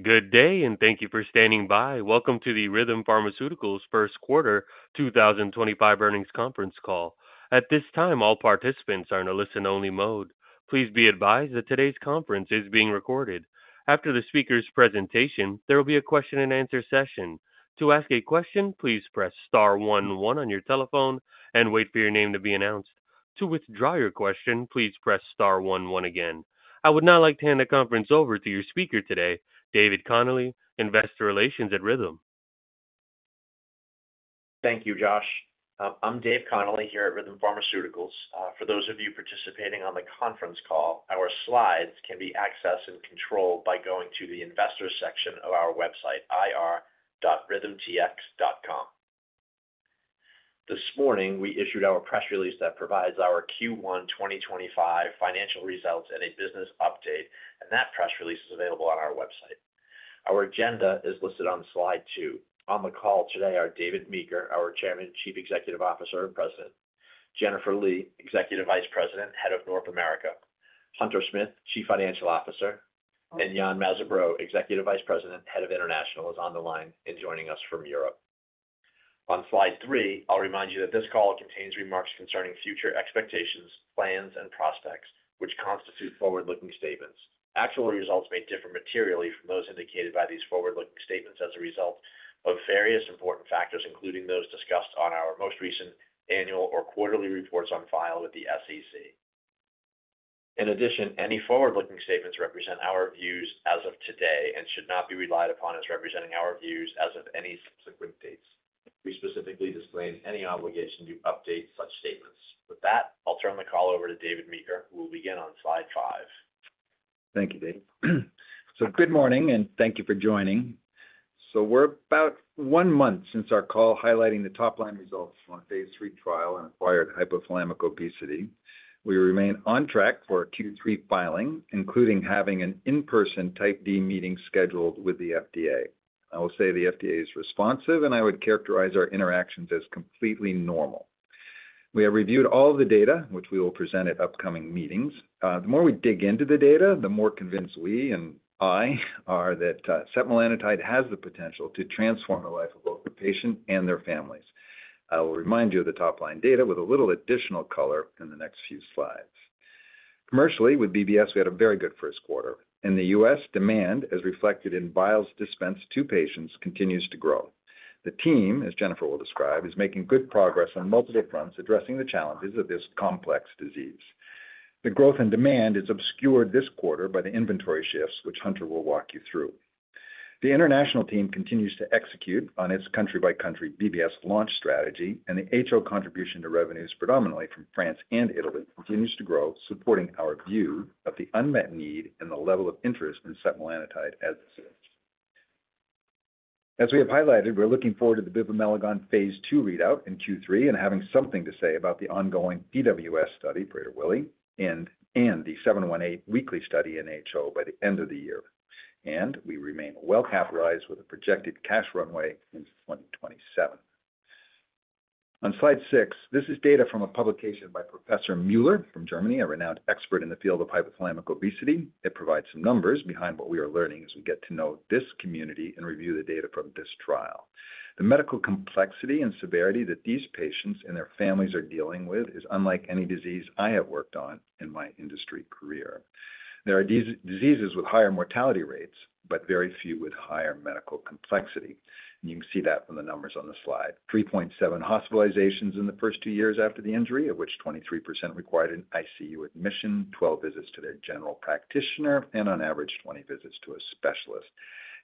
Good day, and thank you for standing by. Welcome to the Rhythm Pharmaceuticals First Quarter 2025 Earnings Conference Call. At this time, all participants are in a listen-only mode. Please be advised that today's conference is being recorded. After the speaker's presentation, there will be a question-and-answer session. To ask a question, please press star one one on your telephone and wait for your name to be announced. To withdraw your question, please press star one one again. I would now like to hand the conference over to your speaker today, David Connolly, Investor Relations at Rhythm. Thank you, Josh. I'm Dave Connolly here at Rhythm Pharmaceuticals. For those of you participating on the conference call, our slides can be accessed and controlled by going to the investor section of our website, ir.rhythmtx.com. This morning, we issued our press release that provides our Q1 2025 financial results and a business update, and that press release is available on our website. Our agenda is listed on slide two. On the call today are David Meeker, our Chairman, Chief Executive Officer, and President; Jennifer Lee, Executive Vice President, Head of North America; Hunter Smith, Chief Financial Officer; and Yann Mazabraud, Executive Vice President, Head of International, is on the line and joining us from Europe. On slide three, I'll remind you that this call contains remarks concerning future expectations, plans, and prospects, which constitute forward-looking statements. Actual results may differ materially from those indicated by these forward-looking statements as a result of various important factors, including those discussed on our most recent annual or quarterly reports on file with the SEC. In addition, any forward-looking statements represent our views as of today and should not be relied upon as representing our views as of any subsequent dates. We specifically disclaim any obligation to update such statements. With that, I'll turn the call over to David Meeker, who will begin on slide five. Thank you, Dave. Good morning, and thank you for joining. We are about one month since our call highlighting the top-line results on the phase III trial in acquired hypothalamic obesity. We remain on track for Q3 filing, including having an in-person Type D meeting scheduled with the FDA. I will say the FDA is responsive, and I would characterize our interactions as completely normal. We have reviewed all of the data, which we will present at upcoming meetings. The more we dig into the data, the more convinced we and I are that setmelanotide has the potential to transform the life of both the patient and their families. I will remind you of the top-line data with a little additional color in the next few slides. Commercially, with BBS, we had a very good first quarter. In the U.S., demand, as reflected in vials dispensed to patients, continues to grow. The team, as Jennifer will describe, is making good progress on multiple fronts addressing the challenges of this complex disease. The growth in demand is obscured this quarter by the inventory shifts, which Hunter will walk you through. The international team continues to execute on its country-by-country BBS launch strategy, and the HO contribution to revenues, predominantly from France and Italy, continues to grow, supporting our view of the unmet need and the level of interest in setmelanotide as it sits. As we have highlighted, we're looking forward to the Bivamelagon phase II readout in Q3 and having something to say about the ongoing PWS study, Prader-Willi, and the 718 weekly study in HO by the end of the year. We remain well-capitalized with a projected cash runway into 2027. On slide six, this is data from a publication by Professor Müller from Germany, a renowned expert in the field of hypothalamic obesity. It provides some numbers behind what we are learning as we get to know this community and review the data from this trial. The medical complexity and severity that these patients and their families are dealing with is unlike any disease I have worked on in my industry career. There are diseases with higher mortality rates, but very few with higher medical complexity. You can see that from the numbers on the slide: 3.7 hospitalizations in the first two years after the injury, of which 23% required an ICU admission, 12 visits to their general practitioner, and on average, 20 visits to a specialist.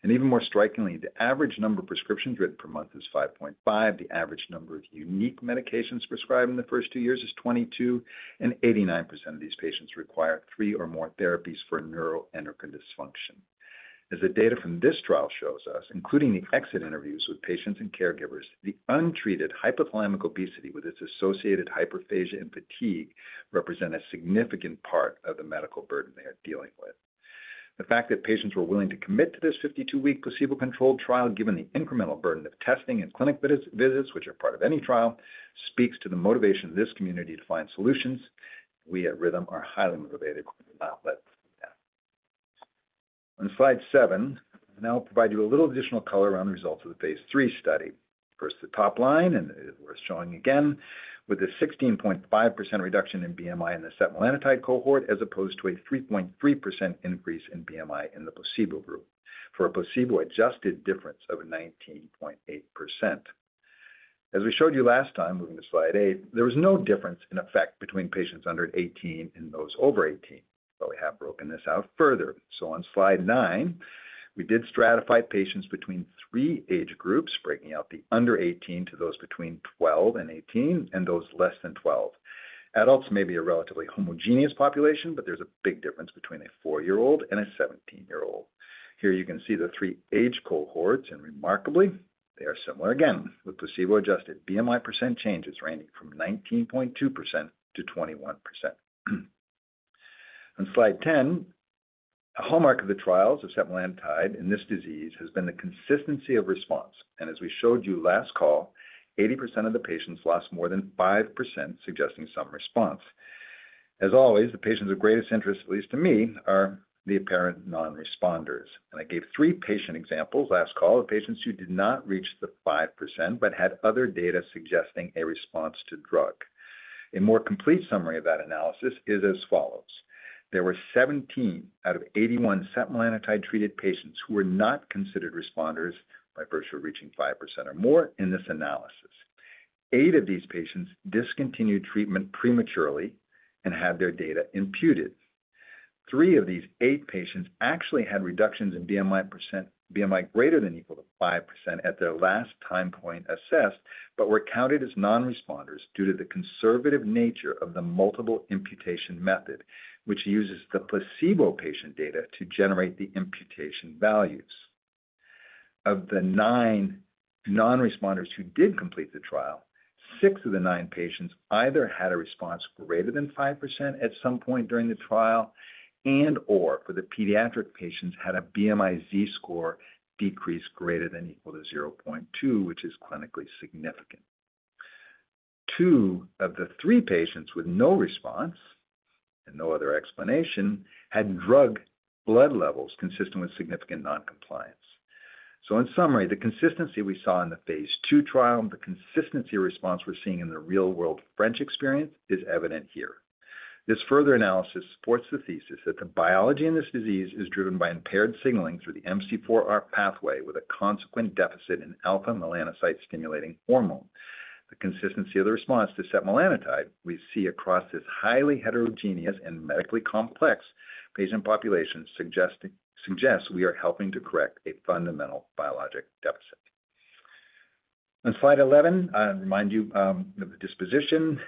Even more strikingly, the average number of prescriptions written per month is 5.5. The average number of unique medications prescribed in the first two years is 22, and 89% of these patients require three or more therapies for neuroendocrine dysfunction. As the data from this trial shows us, including the exit interviews with patients and caregivers, the untreated hypothalamic obesity with its associated hyperphagia and fatigue represent a significant part of the medical burden they are dealing with. The fact that patients were willing to commit to this 52-week placebo-controlled trial, given the incremental burden of testing and clinic visits, which are part of any trial, speaks to the motivation of this community to find solutions. We at Rhythm are highly motivated to not let that. On slide seven, I'll now provide you a little additional color on the results of the phase III study. First, the top line, and we're showing again with a 16.5% reduction in BMI in the setmelanotide cohort as opposed to a 3.3% increase in BMI in the placebo group for a placebo-adjusted difference of 19.8%. As we showed you last time, moving to slide eight, there was no difference in effect between patients under 18 and those over 18. So we have broken this out further. On slide nine, we did stratify patients between three age groups, breaking out the under 18 to those between 12 and 18 and those less than 12. Adults may be a relatively homogeneous population, but there's a big difference between a four-year-old and a 17-year-old. Here you can see the three age cohorts, and remarkably, they are similar again with placebo-adjusted BMI % changes ranging from 19.2%-21%. On slide 10, a hallmark of the trials of setmelanotide in this disease has been the consistency of response. As we showed you last call, 80% of the patients lost more than 5%, suggesting some response. As always, the patients of greatest interest, at least to me, are the apparent non-responders. I gave three patient examples last call of patients who did not reach the 5% but had other data suggesting a response to drug. A more complete summary of that analysis is as follows. There were 17/81 setmelanotide-treated patients who were not considered responders by virtue of reaching 5% or more in this analysis. Eight of these patients discontinued treatment prematurely and had their data imputed. Three of these eight patients actually had reductions in BMI %, BMI greater than or equal to 5% at their last time point assessed, but were counted as non-responders due to the conservative nature of the multiple imputation method, which uses the placebo patient data to generate the imputation values. Of the nine non-responders who did complete the trial, six of the nine patients either had a response greater than 5% at some point during the trial and/or for the pediatric patients had a BMI Z-score decreased greater than or equal to 0.2, which is clinically significant. Two of the three patients with no response and no other explanation had drug blood levels consistent with significant non-compliance. In summary, the consistency we saw in the phase II trial, the consistency response we are seeing in the real-world French experience is evident here. This further analysis supports the thesis that the biology in this disease is driven by impaired signaling through the MC4R pathway with a consequent deficit in alpha-melanocyte stimulating hormone. The consistency of the response to setmelanotide we see across this highly heterogeneous and medically complex patient population suggests we are helping to correct a fundamental biologic deficit. On slide 11, I remind you of the disposition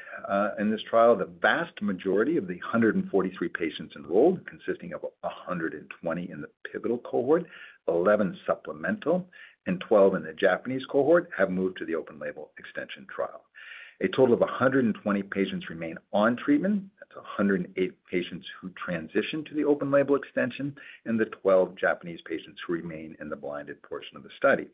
in this trial. The vast majority of the 143 patients enrolled, consisting of 120 in the pivotal cohort, 11 supplemental, and 12 in the Japanese cohort, have moved to the open-label extension trial. A total of 120 patients remain on treatment. That's 108 patients who transitioned to the open-label extension and the 12 Japanese patients who remain in the blinded portion of the study.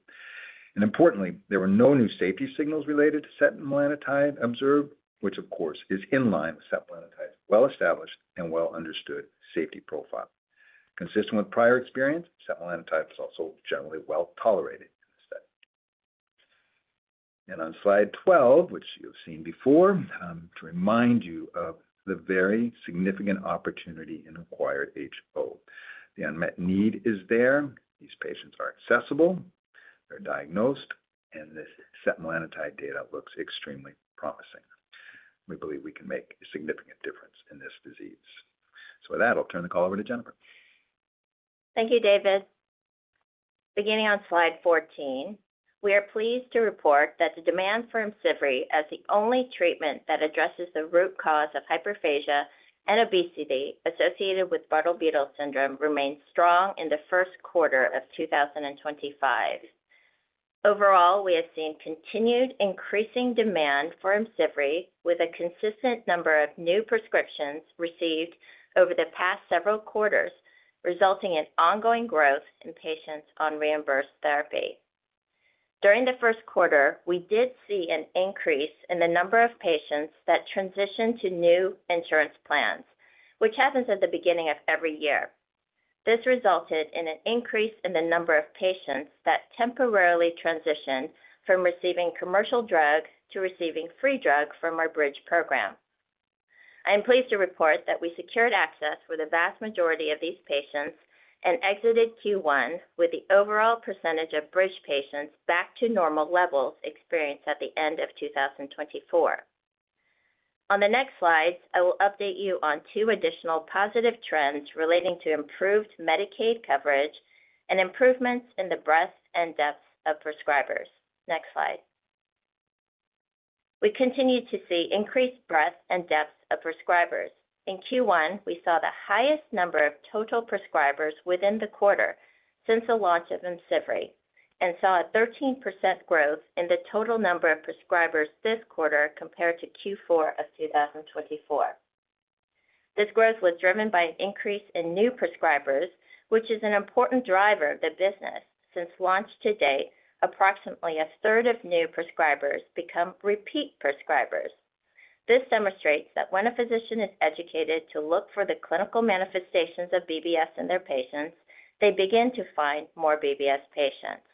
Importantly, there were no new safety signals related to setmelanotide observed, which of course is in line with setmelanotide's well-established and well-understood safety profile. Consistent with prior experience, setmelanotide was also generally well tolerated in the study. On slide 12, which you've seen before, to remind you of the very significant opportunity in acquired HO. The unmet need is there. These patients are accessible. They're diagnosed, and this setmelanotide data looks extremely promising. We believe we can make a significant difference in this disease. With that, I'll turn the call over to Jennifer. Thank you, David. Beginning on slide 14, we are pleased to report that the demand for IMCIVREE as the only treatment that addresses the root cause of hyperphagia and obesity associated with Bardet-Biedl syndrome remains strong in the first quarter of 2025. Overall, we have seen continued increasing demand for IMCIVREE with a consistent number of new prescriptions received over the past several quarters, resulting in ongoing growth in patients on reimbursed therapy. During the first quarter, we did see an increase in the number of patients that transitioned to new insurance plans, which happens at the beginning of every year. This resulted in an increase in the number of patients that temporarily transitioned from receiving commercial drug to receiving free drug from our Bridge program. I am pleased to report that we secured access for the vast majority of these patients and exited Q1 with the overall percentage of Bridge patients back to normal levels experienced at the end of 2024. On the next slides, I will update you on two additional positive trends relating to improved Medicaid coverage and improvements in the breadth and depth of prescribers. Next slide. We continue to see increased breadth and depth of prescribers. In Q1, we saw the highest number of total prescribers within the quarter since the launch of IMCIVREE and saw a 13% growth in the total number of prescribers this quarter compared to Q4 of 2024. This growth was driven by an increase in new prescribers, which is an important driver of the business. Since launch to date, approximately a third of new prescribers become repeat prescribers. This demonstrates that when a physician is educated to look for the clinical manifestations of BBS in their patients, they begin to find more BBS patients.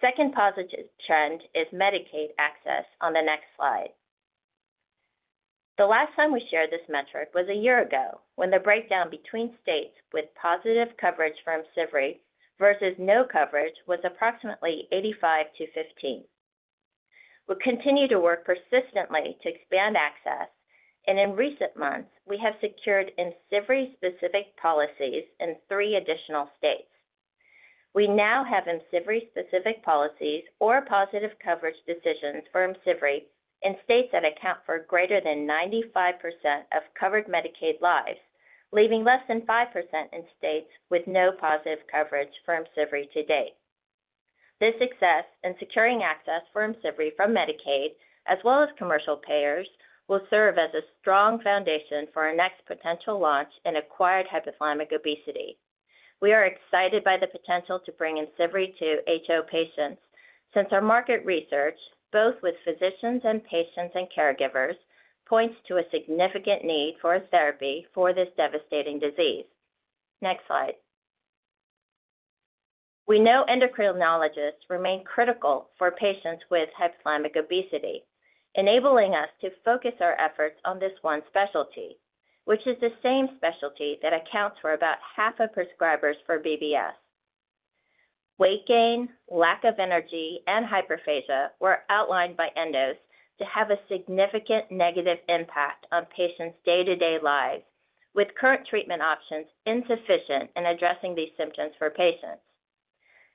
Second positive trend is Medicaid access on the next slide. The last time we shared this metric was a year ago when the breakdown between states with positive coverage for IMCIVREE versus no coverage was approximately 85 to 15. We'll continue to work persistently to expand access, and in recent months, we have secured IMCIVREE-specific policies in three additional states. We now have IMCIVREE-specific policies or positive coverage decisions for IMCIVREE in states that account for greater than 95% of covered Medicaid lives, leaving less than 5% in states with no positive coverage for IMCIVREE to date. This success in securing access for IMCIVREE from Medicaid, as well as commercial payers, will serve as a strong foundation for our next potential launch in acquired hypothalamic obesity. We are excited by the potential to bring IMCIVREE to HO patients since our market research, both with physicians and patients and caregivers, points to a significant need for a therapy for this devastating disease. Next slide. We know endocrinologists remain critical for patients with hypothalamic obesity, enabling us to focus our efforts on this one specialty, which is the same specialty that accounts for about half of prescribers for BBS. Weight gain, lack of energy, and hyperphagia were outlined by endos to have a significant negative impact on patients' day-to-day lives, with current treatment options insufficient in addressing these symptoms for patients.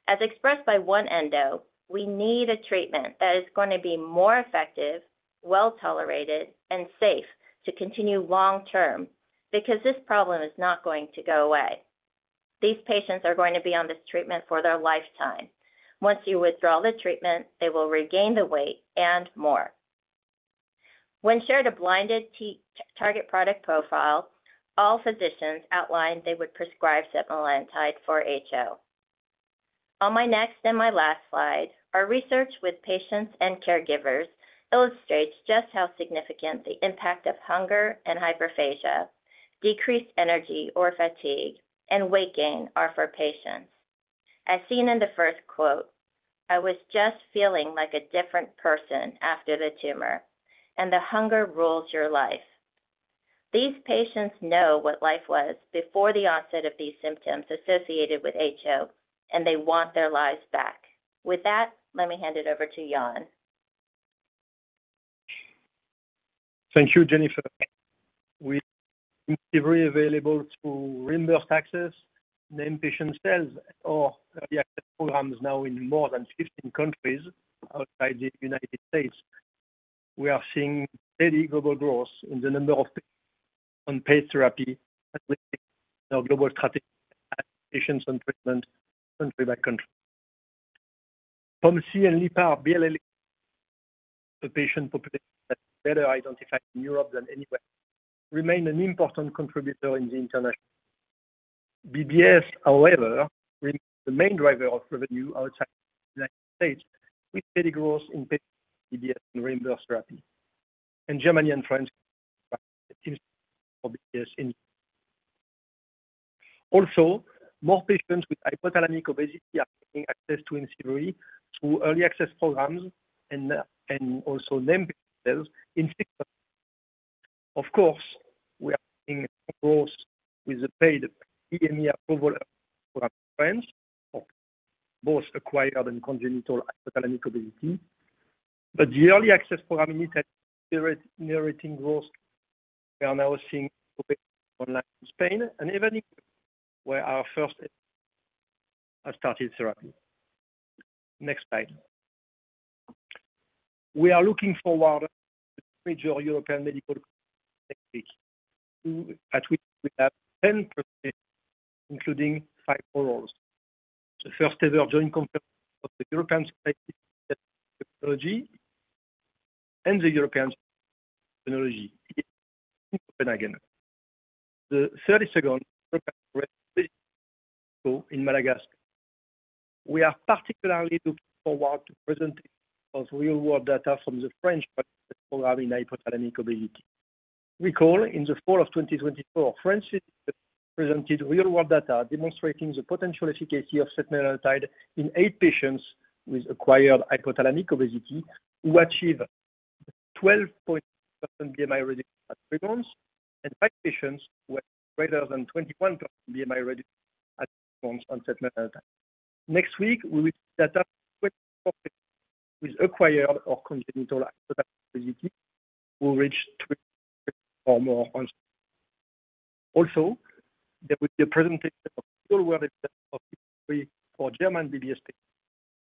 As expressed by one Endo, we need a treatment that is going to be more effective, well-tolerated, and safe to continue long-term because this problem is not going to go away. These patients are going to be on this treatment for their lifetime. Once you withdraw the treatment, they will regain the weight and more. When shared a blinded target product profile, all physicians outlined they would prescribe setmelanotide for HO. On my next and my last slide, our research with patients and caregivers illustrates just how significant the impact of hunger and hyperphagia, decreased energy or fatigue, and weight gain are for patients. As seen in the first quote, "I was just feeling like a different person after the tumor, and the hunger rules your life." These patients know what life was before the onset of these symptoms associated with HO, and they want their lives back. With that, let me hand it over to Yann. Thank you, Jennifer. With IMCIVREE available through reimbursed access, named patient sales, or early access programs now in more than 15 countries outside the United States, we are seeing steady global growth in the number of patients on paid therapy in our global strategy and patients on treatment country by country. Pharmacy and BBS, a patient population that is better identified in Europe than anywhere, remain an important contributor in the international market. BBS, however, remains the main driver of revenue outside the United States, with steady growth in paid BBS and reimbursed therapy. Germany and France are seeing a steady growth for BBS in Europe. Also, more patients with hypothalamic obesity are gaining access to IMCIVREE through early access programs and also named patient sales in six countries. Of course, we are seeing growth with the paid EMEA Provola program in France, both acquired and congenital hypothalamic obesity. The early access program in Italy is generating growth. We are now seeing patients online in Spain and even in Europe where our first patients have started therapy. Next slide. We are looking forward to the major European medical conference next week, at which we will have 10 presentations, including five orals. It is the first-ever joint conference of the European Society of Endocrinology and the European Society of Physiology in Copenhagen. The 32nd European College of Physiology in Madagascar. We are particularly looking forward to presentations of real-world data from the French program in hypothalamic obesity. Recall, in the fall of 2024, French physicians presented real-world data demonstrating the potential efficacy of setmelanotide in eight patients with acquired hypothalamic obesity who achieved 12.3% BMI reduction at three months and five patients who had greater than 21% BMI reduction at three months on setmelanotide. Next week, we will see data with acquired or congenital hypothalamic obesity who reached 3.4% or more on setmelanotide. Also, there will be a presentation of real-world data of IMCIVREE for German BBS patients,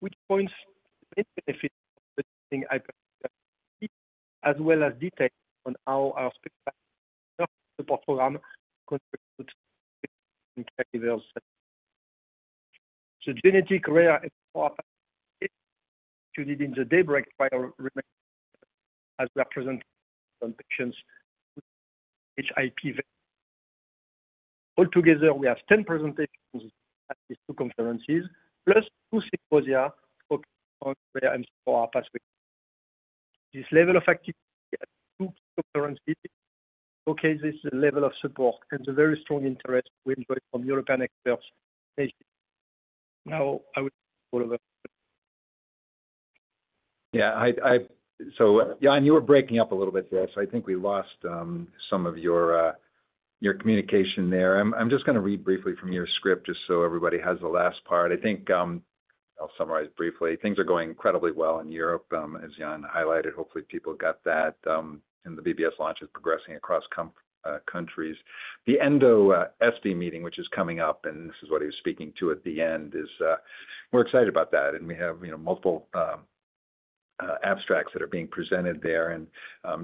which points to the main benefits of presenting hypothalamic obesity, as well as details on how our specialized support program contributes to patients and caregivers' satisfaction. The genetic rare MC4R pathway is excluded in the Daybreak trial remnants as we are presenting on patients with PHIP variant. Altogether, we have 10 presentations at these two conferences, plus two symposia focused on rare MC4R pathways. This level of activity at two key conferences showcases the level of support and the very strong interest we enjoyed from European experts. Thank you. Now, I will hand it over. Yeah. So Yann, you were breaking up a little bit there, so I think we lost some of your communication there. I'm just going to read briefly from your script just so everybody has the last part. I think I'll summarize briefly. Things are going incredibly well in Europe, as Yann highlighted. Hopefully, people got that. The BBS launch is progressing across countries. The Endo FD meeting, which is coming up, and this is what he was speaking to at the end, is we're excited about that. We have multiple abstracts that are being presented there.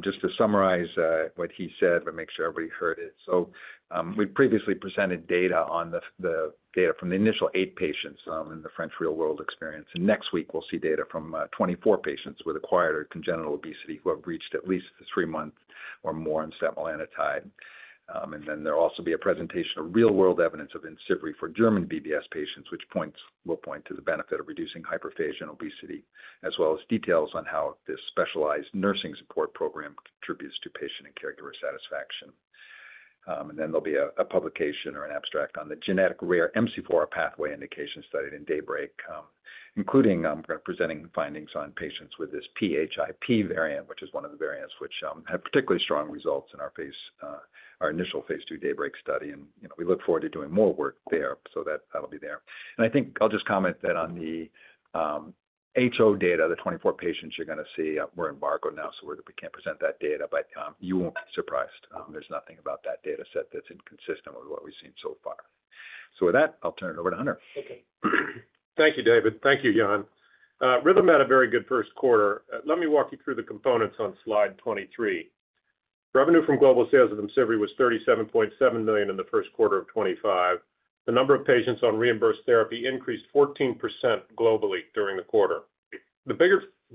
Just to summarize what he said, but make sure everybody heard it. We previously presented data from the initial eight patients in the French real-world experience. Next week, we'll see data from 24 patients with acquired or congenital obesity who have reached at least three months or more on setmelanotide. There will also be a presentation of real-world evidence of IMCIVREE for German BBS patients, which will point to the benefit of reducing hyperphagia and obesity, as well as details on how this specialized nursing support program contributes to patient and caregiver satisfaction. There will be a publication or an abstract on the genetic rare MC4R pathway indication studied in Daybreak, including presenting findings on patients with this PHIP variant, which is one of the variants which had particularly strong results in our initial phase II Daybreak study. We look forward to doing more work there, so that'll be there. I think I'll just comment that on the HO data, the 24 patients you're going to see, we're in embargo now, so we can't present that data, but you won't be surprised. There's nothing about that dataset that's inconsistent with what we've seen so far. With that, I'll turn it over to Hunter. Thank you, David. Thank you, Yann. Rhythm had a very good first quarter. Let me walk you through the components on slide 23. Revenue from global sales of IMCIVREE was $37.7 million in the first quarter of 2025. The number of patients on reimbursed therapy increased 14% globally during the quarter. The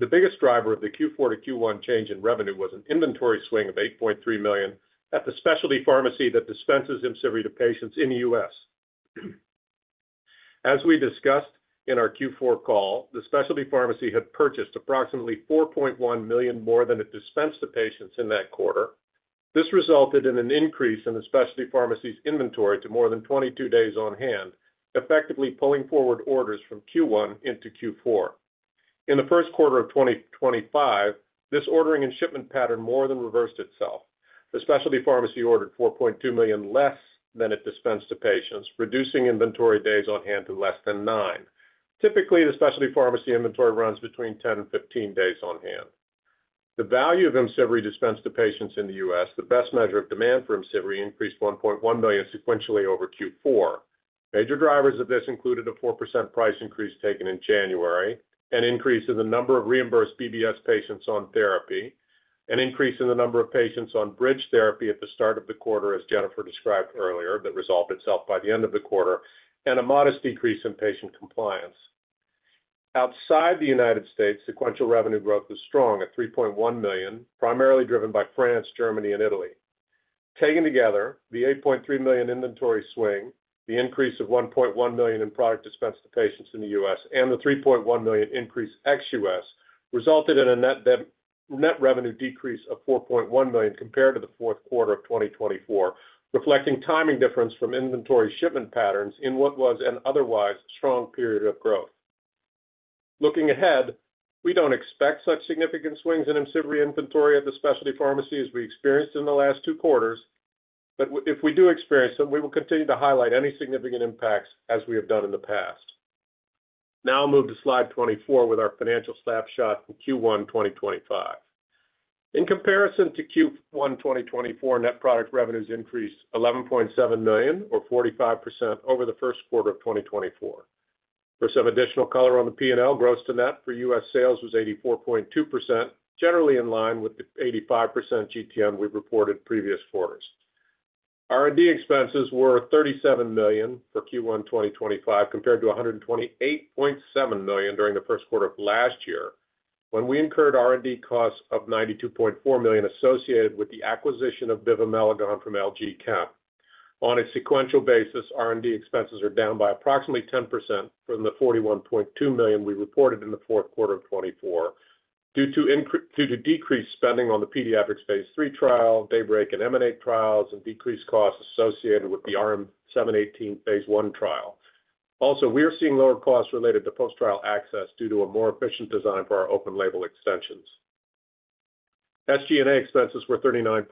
biggest driver of the Q4 to Q1 change in revenue was an inventory swing of $8.3 million at the specialty pharmacy that dispenses IMCIVREE to patients in the U.S. As we discussed in our Q4 call, the specialty pharmacy had purchased approximately $4.1 million more than it dispensed to patients in that quarter. This resulted in an increase in the specialty pharmacy's inventory to more than 22 days on hand, effectively pulling forward orders from Q1 into Q4. In the first quarter of 2025, this ordering and shipment pattern more than reversed itself. The specialty pharmacy ordered $4.2 million less than it dispensed to patients, reducing inventory days on hand to less than nine. Typically, the specialty pharmacy inventory runs between 10 and 15 days on hand. The value of IMCIVREE dispensed to patients in the U.S., the best measure of demand for IMCIVREE, increased $1.1 million sequentially over Q4. Major drivers of this included a 4% price increase taken in January, an increase in the number of reimbursed BBS patients on therapy, an increase in the number of patients on Bridge therapy at the start of the quarter, as Jennifer described earlier, that resolved itself by the end of the quarter, and a modest decrease in patient compliance. Outside the United States, sequential revenue growth was strong at $3.1 million, primarily driven by France, Germany, and Italy. Taken together, the $8.3 million inventory swing, the increase of $1.1 million in product dispensed to patients in the U.S., and the $3.1 million increase ex U.S. resulted in a net revenue decrease of $4.1 million compared to the fourth quarter of 2024, reflecting timing difference from inventory shipment patterns in what was an otherwise strong period of growth. Looking ahead, we do not expect such significant swings in IMCIVREE inventory at the specialty pharmacy as we experienced in the last two quarters, but if we do experience them, we will continue to highlight any significant impacts as we have done in the past. Now I'll move to slide 24 with our financial snapshot from Q1 2025. In comparison to Q1 2024, net product revenues increased $11.7 million, or 45%, over the first quarter of 2024. For some additional color on the P&L, gross to net for U.S. sales was 84.2%, generally in line with the 85% GTM we've reported previous quarters. R&D expenses were $37 million for Q1 2025 compared to $128.7 million during the first quarter of last year when we incurred R&D costs of $92.4 million associated with the acquisition of Bivamelagon from LG Chem. On a sequential basis, R&D expenses are down by approximately 10% from the $41.2 million we reported in the fourth quarter of 2024 due to decreased spending on the pediatrics phase III trial, Daybreak and MN8 trials, and decreased costs associated with the RM-718 phase I trial. Also, we are seeing lower costs related to post-trial access due to a more efficient design for our open label extensions. SG&A expenses were $39.1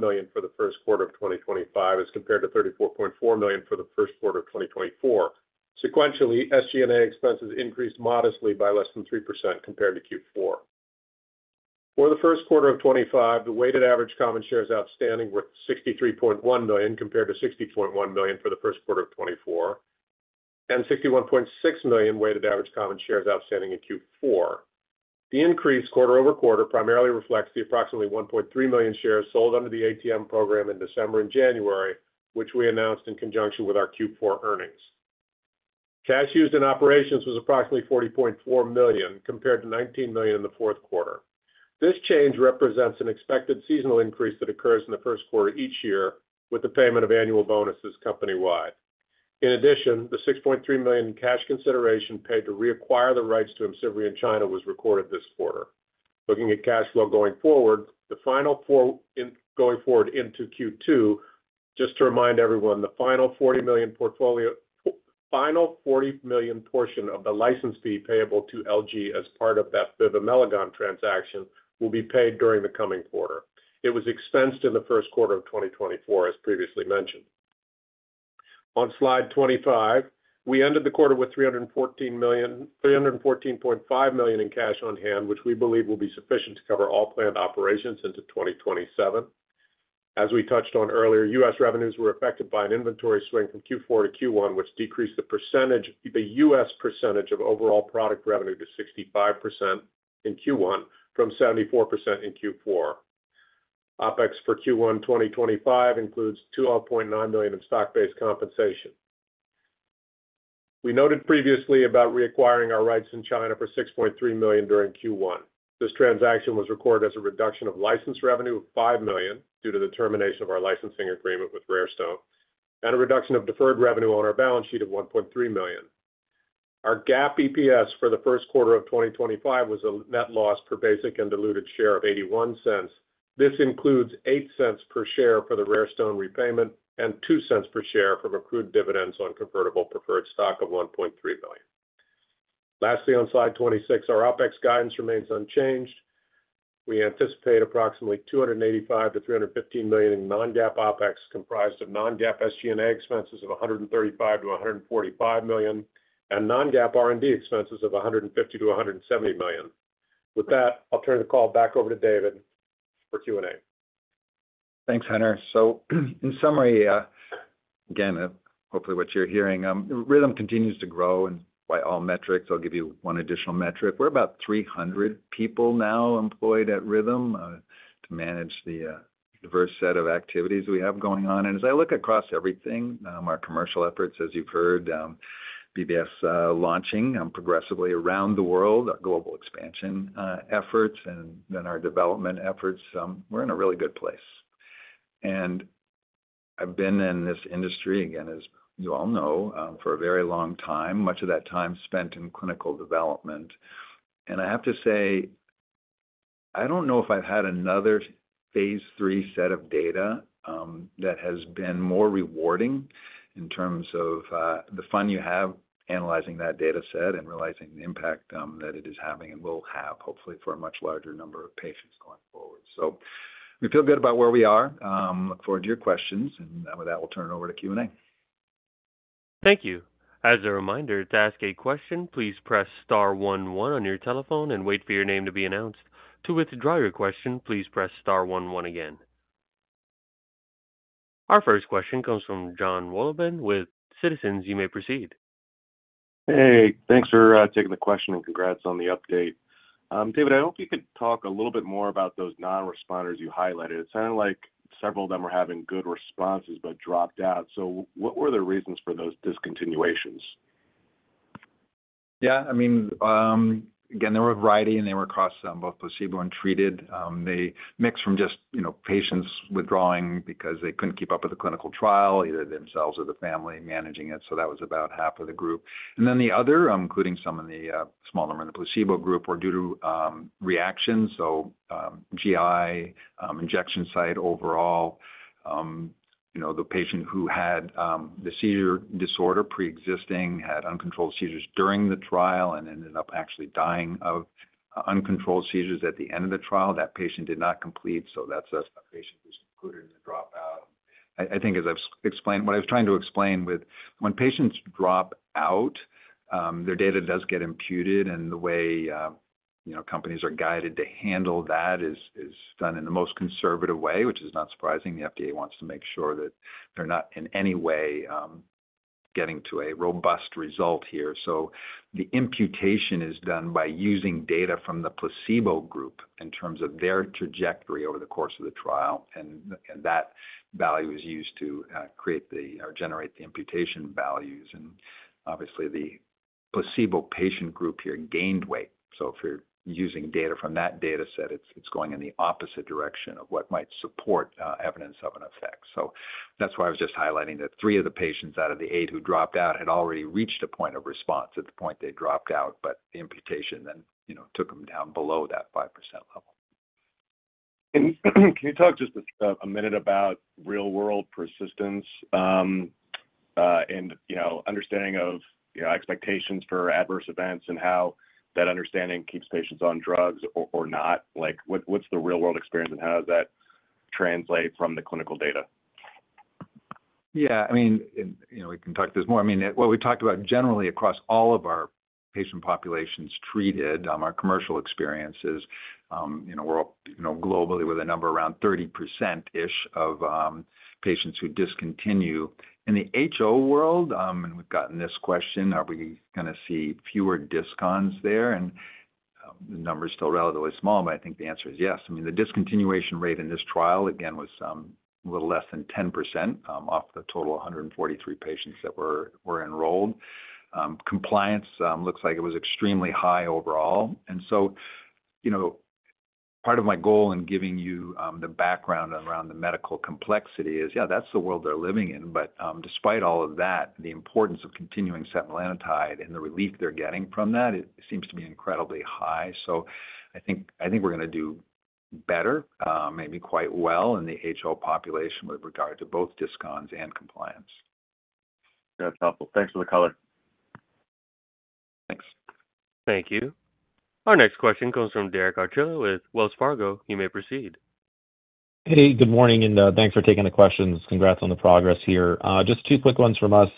million for the first quarter of 2025 as compared to $34.4 million for the first quarter of 2024. Sequentially, SG&A expenses increased modestly by less than 3% compared to Q4. For the first quarter of 2025, the weighted average common shares outstanding were 63.1 million compared to 60.1 million for the first quarter of 2024, and 61.6 million weighted average common shares outstanding in Q4. The increase quarter over quarter primarily reflects the approximately 1.3 million shares sold under the ATM program in December and January, which we announced in conjunction with our Q4 earnings. Cash used in operations was approximately $40.4 million compared to $19 million in the fourth quarter. This change represents an expected seasonal increase that occurs in the first quarter each year with the payment of annual bonuses company-wide. In addition, the $6.3 million in cash consideration paid to reacquire the rights to IMCIVREE in China was recorded this quarter. Looking at cash flow going forward, the final going forward into Q2, just to remind everyone, the final $40 million portion of the license fee payable to LG as part of that Bivamelagon transaction will be paid during the coming quarter. It was expensed in the first quarter of 2024, as previously mentioned. On slide 25, we ended the quarter with $314.5 million in cash on hand, which we believe will be sufficient to cover all planned operations into 2027. As we touched on earlier, U.S. revenues were affected by an inventory swing from Q4 to Q1, which decreased the U..S percentage of overall product revenue to 65% in Q1 from 74% in Q4. OpEx for Q1 2025 includes $12.9 million in stock-based compensation. We noted previously about reacquiring our rights in China for $6.3 million during Q1. This transaction was recorded as a reduction of license revenue of $5 million due to the termination of our licensing agreement with RareStone and a reduction of deferred revenue on our balance sheet of $1.3 million. Our GAAP EPS for the first quarter of 2025 was a net loss per basic and diluted share of $0.81. This includes $0.08 per share for the RareStone repayment and $0.02 per share from accrued dividends on convertible preferred stock of $1.3 million. Lastly, on slide 26, our OpEx guidance remains unchanged. We anticipate approximately $285 million-$315 million in non-GAAP OpEx, comprised of non-GAAP SG&A expenses of $135 million-$145 million, and non-GAAP R&D expenses of $150 million-$170 million. With that, I'll turn the call back over to David for Q&A. Thanks, Hunter. In summary, again, hopefully what you're hearing, Rhythm continues to grow in by all metrics. I'll give you one additional metric. We're about 300 people now employed at Rhythm to manage the diverse set of activities we have going on. As I look across everything, our commercial efforts, as you've heard, BBS launching progressively around the world, our global expansion efforts, and then our development efforts, we're in a really good place. I've been in this industry, again, as you all know, for a very long time, much of that time spent in clinical development. I have to say, I do not know if I have had another phase III set of data that has been more rewarding in terms of the fun you have analyzing that dataset and realizing the impact that it is having and will have, hopefully, for a much larger number of patients going forward. We feel good about where we are. I look forward to your questions. With that, we will turn it over to Q&A. Thank you. As a reminder, to ask a question, please press star one one on your telephone and wait for your name to be announced. To withdraw your question, please press star one one again. Our first question comes from Jon Wolleben with Citizens. You may proceed. Hey, thanks for taking the question and congrats on the update. David, I hope you could talk a little bit more about those non-responders you highlighted. It sounded like several of them were having good responses but dropped out. What were the reasons for those discontinuations? Yeah. I mean, again, there were variety and they were costs on both placebo and treated. They mixed from just patients withdrawing because they could not keep up with the clinical trial, either themselves or the family managing it. That was about half of the group. The other, including some of the smaller in the placebo group, were due to reactions, so GI, injection site overall. The patient who had the seizure disorder pre-existing had uncontrolled seizures during the trial and ended up actually dying of uncontrolled seizures at the end of the trial. That patient did not complete. That is a patient who is included in the dropout. I think, as I have explained, what I was trying to explain with when patients drop out, their data does get imputed. The way companies are guided to handle that is done in the most conservative way, which is not surprising. The FDA wants to make sure that they're not in any way getting to a robust result here. The imputation is done by using data from the placebo group in terms of their trajectory over the course of the trial. That value is used to create or generate the imputation values. Obviously, the placebo patient group here gained weight. If you're using data from that dataset, it's going in the opposite direction of what might support evidence of an effect. That's why I was just highlighting that three of the patients out of the eight who dropped out had already reached a point of response at the point they dropped out, but the imputation then took them down below that 5% level. Can you talk just a minute about real-world persistence and understanding of expectations for adverse events and how that understanding keeps patients on drugs or not? What's the real-world experience and how does that translate from the clinical data? Yeah. I mean, we can talk to this more. I mean, what we talked about generally across all of our patient populations treated, our commercial experiences, we're globally with a number around 30% of patients who discontinue. In the HO world, and we've gotten this question, are we going to see fewer discons there? The number is still relatively small, but I think the answer is yes. I mean, the discontinuation rate in this trial, again, was a little less than 10% of the total 143 patients that were enrolled. Compliance looks like it was extremely high overall. Part of my goal in giving you the background around the medical complexity is, yeah, that's the world they're living in. Despite all of that, the importance of continuing setmelanotide and the relief they're getting from that, it seems to be incredibly high. I think we're going to do better, maybe quite well in the HO population with regard to both discons and compliance. That's helpful. Thanks for the color. Thanks. Thank you. Our next question comes from Derek Archer with Wells Fargo. You may proceed. Hey, good morning, and thanks for taking the questions. Congrats on the progress here. Just two quick ones from us.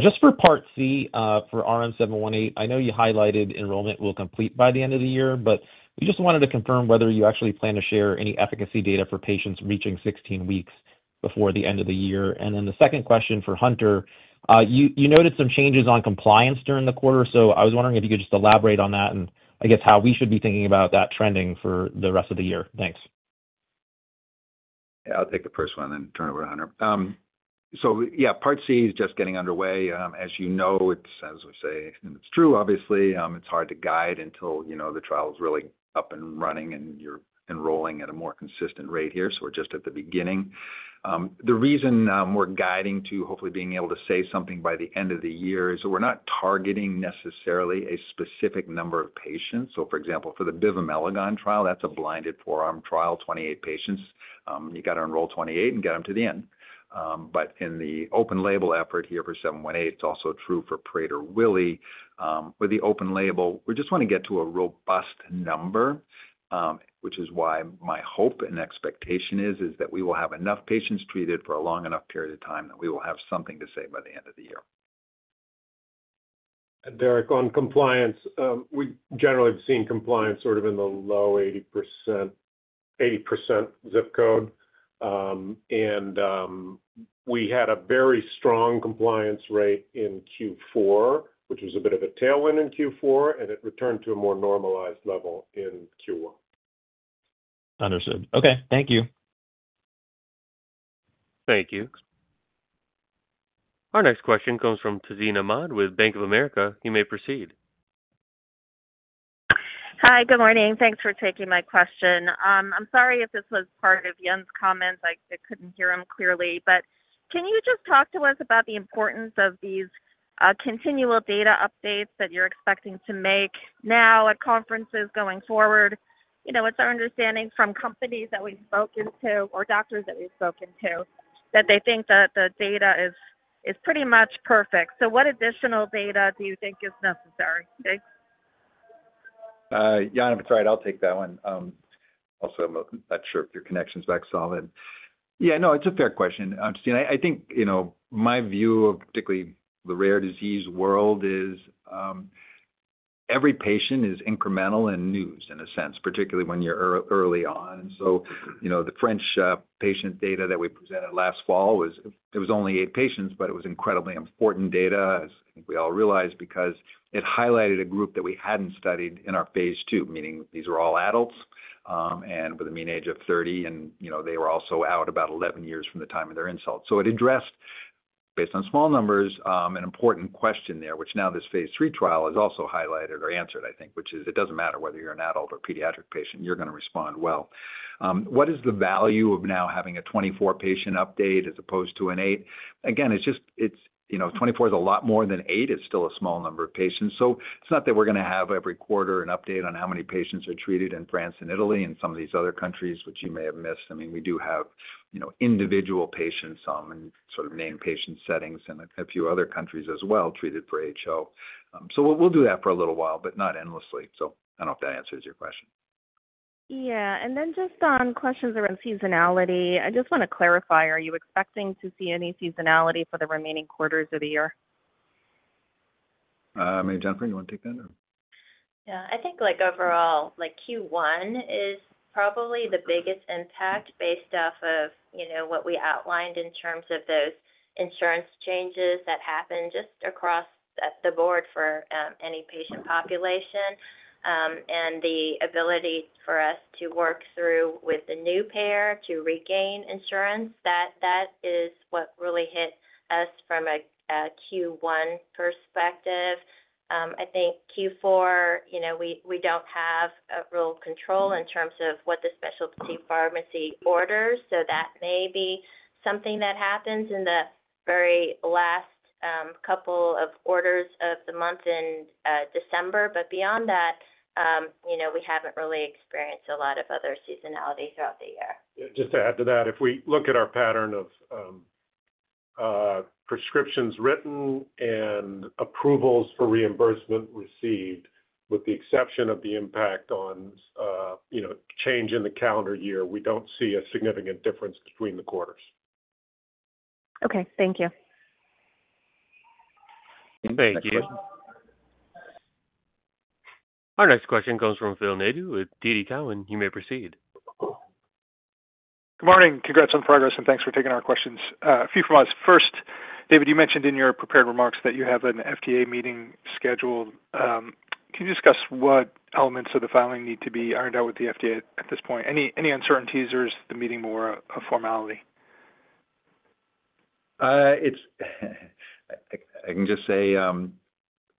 Just for part C for RM-718, I know you highlighted enrollment will complete by the end of the year, but we just wanted to confirm whether you actually plan to share any efficacy data for patients reaching 16 weeks before the end of the year. The second question for Hunter, you noted some changes on compliance during the quarter. I was wondering if you could just elaborate on that and, I guess, how we should be thinking about that trending for the rest of the year. Thanks. Yeah, I'll take the first one and then turn it over to Hunter. Yeah, part C is just getting underway. As you know, as we say, and it's true, obviously, it's hard to guide until the trial is really up and running and you're enrolling at a more consistent rate here. We're just at the beginning. The reason we're guiding to hopefully being able to say something by the end of the year is that we're not targeting necessarily a specific number of patients. For example, for the Bivamelagon trial, that's a blinded forearm trial, 28 patients. You got to enroll 28 and get them to the end. In the open label effort here for 718, it's also true for Prader-Willi. With the open label, we just want to get to a robust number, which is why my hope and expectation is that we will have enough patients treated for a long enough period of time that we will have something to say by the end of the year. Derek, on compliance, we generally have seen compliance sort of in the low 80% range, 80% zip code. We had a very strong compliance rate in Q4, which was a bit of a tailwind in Q4, and it returned to a more normalized level in Q1. Understood. Okay. Thank you. Our next question comes from Tanzina Ahmed with Bank of America. You may proceed. Hi, good morning. Thanks for taking my question. I'm sorry if this was part of Yann's comments. I couldn't hear him clearly. Can you just talk to us about the importance of these continual data updates that you're expecting to make now at conferences going forward? It's our understanding from companies that we've spoken to or doctors that we've spoken to that they think that the data is pretty much perfect. What additional data do you think is necessary? Yann, if it's all right, I'll take that one. Also, I'm not sure if your connection's back solid. Yeah, no, it's a fair question. I think my view of particularly the rare disease world is every patient is incremental in news in a sense, particularly when you're early on. The French patient data that we presented last fall, it was only eight patients, but it was incredibly important data, as I think we all realized, because it highlighted a group that we hadn't studied in our phase II, meaning these were all adults and with a mean age of 30. They were also out about 11 years from the time of their insult. It addressed, based on small numbers, an important question there, which now this phase III trial has also highlighted or answered, I think, which is it does not matter whether you are an adult or pediatric patient, you are going to respond well. What is the value of now having a 24-patient update as opposed to an eight? Again, it is just 24 is a lot more than eight. It is still a small number of patients. It is not that we are going to have every quarter an update on how many patients are treated in France and Italy and some of these other countries, which you may have missed. I mean, we do have individual patients, some in sort of named patient settings and a few other countries as well treated for HO. We will do that for a little while, but not endlessly. I do not know if that answers your question. Yeah. And then just on questions around seasonality, I just want to clarify. Are you expecting to see any seasonality for the remaining quarters of the year? Maybe Jennifer, you want to take that or? Yeah. I think overall, Q1 is probably the biggest impact based off of what we outlined in terms of those insurance changes that happened just across the board for any patient population. The ability for us to work through with the new payer to regain insurance, that is what really hit us from a Q1 perspective. I think Q4, we do not have a real control in terms of what the specialty pharmacy orders. That may be something that happens in the very last couple of orders of the month in December. Beyond that, we have not really experienced a lot of other seasonality throughout the year. Just to add to that, if we look at our pattern of prescriptions written and approvals for reimbursement received, with the exception of the impact on change in the calendar year, we don't see a significant difference between the quarters. Okay. Thank you. Thank you. Our next question comes from Phil Nadeau with TD Cowen. You may proceed. Good morning. Congrats on the progress, and thanks for taking our questions. A few from us. First, David, you mentioned in your prepared remarks that you have an FDA meeting scheduled. Can you discuss what elements of the filing need to be ironed out with the FDA at this point? Any uncertainties or is the meeting more a formality? I can just say,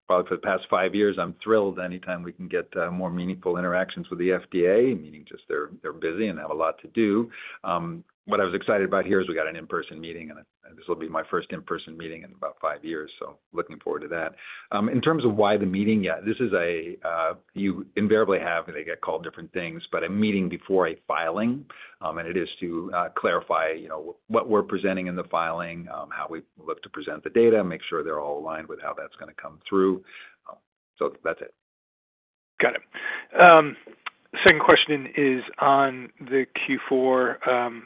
probably for the past five years, I'm thrilled anytime we can get more meaningful interactions with the FDA, meaning just they're busy and have a lot to do. What I was excited about here is we got an in-person meeting, and this will be my first in-person meeting in about five years. Looking forward to that. In terms of why the meeting, yeah, this is a you invariably have they get called different things, but a meeting before a filing. It is to clarify what we're presenting in the filing, how we look to present the data, make sure they're all aligned with how that's going to come through. That's it. Got it. Second question is on the Q4.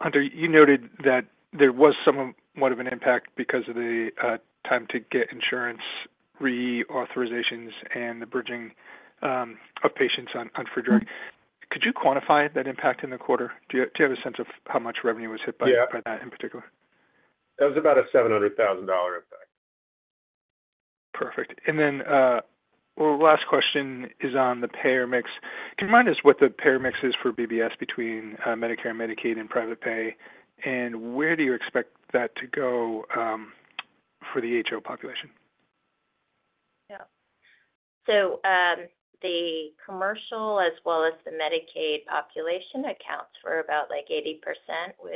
Hunter, you noted that there was somewhat of an impact because of the time to get insurance reauthorizations and the bridging of patients on for drug. Could you quantify that impact in the quarter? Do you have a sense of how much revenue was hit by that in particular? Yeah. That was about a $700,000 impact. Perfect. Last question is on the payer mix. Can you remind us what the payer mix is for BBS between Medicare and Medicaid and private pay? Where do you expect that to go for the HO population? Yeah. The commercial as well as the Medicaid population accounts for about 80% with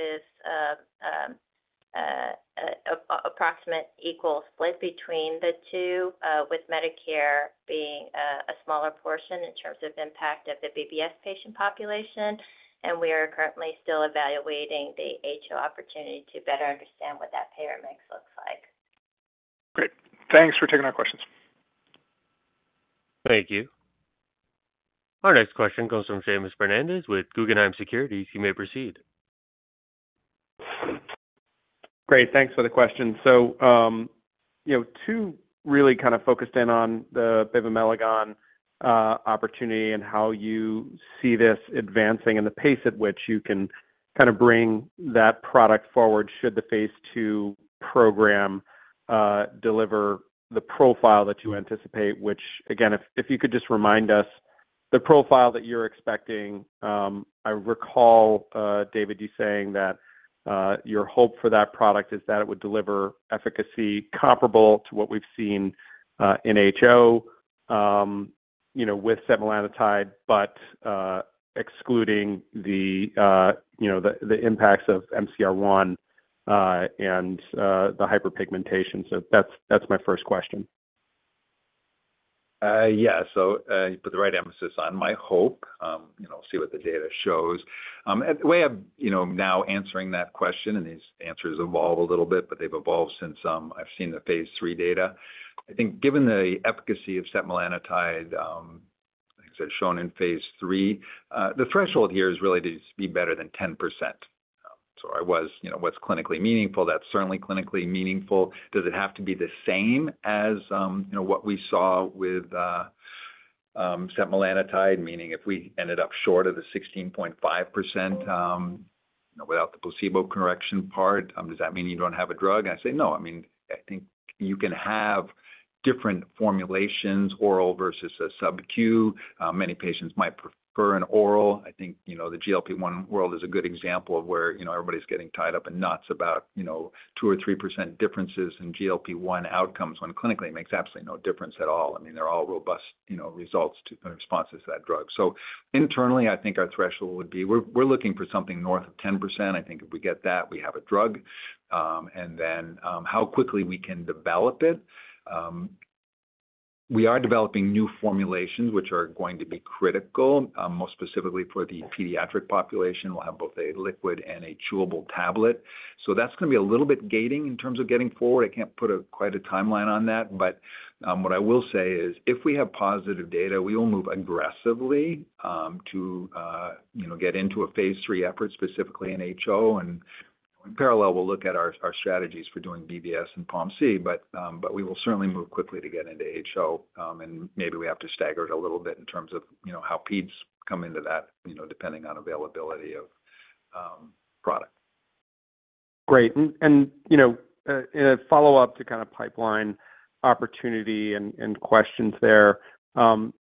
approximate equal split between the two, with Medicare being a smaller portion in terms of impact of the BBS patient population. We are currently still evaluating the HO opportunity to better understand what that payer mix looks like. Great. Thanks for taking our questions. Thank you. Our next question comes from Seamus Fernandez with Guggenheim Securities. You may proceed. Great. Thanks for the question. Two really kind of focused in on the Bivamelagon opportunity and how you see this advancing and the pace at which you can kind of bring that product forward should the phase II program deliver the profile that you anticipate, which, again, if you could just remind us the profile that you're expecting. I recall, David, you saying that your hope for that product is that it would deliver efficacy comparable to what we've seen in HO with setmelanotide, but excluding the impacts of MC4R1 and the hyperpigmentation. That's my first question. Yeah. You put the right emphasis on my hope. We'll see what the data shows. The way of now answering that question, and these answers evolve a little bit, but they've evolved since I've seen the phase III data. I think given the efficacy of setmelanotide, like I said, shown in phase III, the threshold here is really to be better than 10%. I was, what's clinically meaningful? That's certainly clinically meaningful. Does it have to be the same as what we saw with setmelanotide, meaning if we ended up short of the 16.5% without the placebo correction part, does that mean you don't have a drug? I say, no. I mean, I think you can have different formulations, oral versus a subq. Many patients might prefer an oral. I think the GLP-1 world is a good example of where everybody's getting tied up in knots about 2% or 3% differences in GLP-1 outcomes when clinically it makes absolutely no difference at all. I mean, they're all robust results and responses to that drug. Internally, I think our threshold would be we're looking for something north of 10%. I think if we get that, we have a drug. Then how quickly we can develop it. We are developing new formulations, which are going to be critical, most specifically for the pediatric population. We'll have both a liquid and a chewable tablet. That is going to be a little bit gating in terms of getting forward. I can't put quite a timeline on that. What I will say is if we have positive data, we will move aggressively to get into a phase III effort, specifically in HO. In parallel, we'll look at our strategies for doing BBS and POMC. We will certainly move quickly to get into HO. Maybe we have to stagger it a little bit in terms of how pedes come into that, depending on availability of product. Great. In a follow-up to kind of pipeline opportunity and questions there, the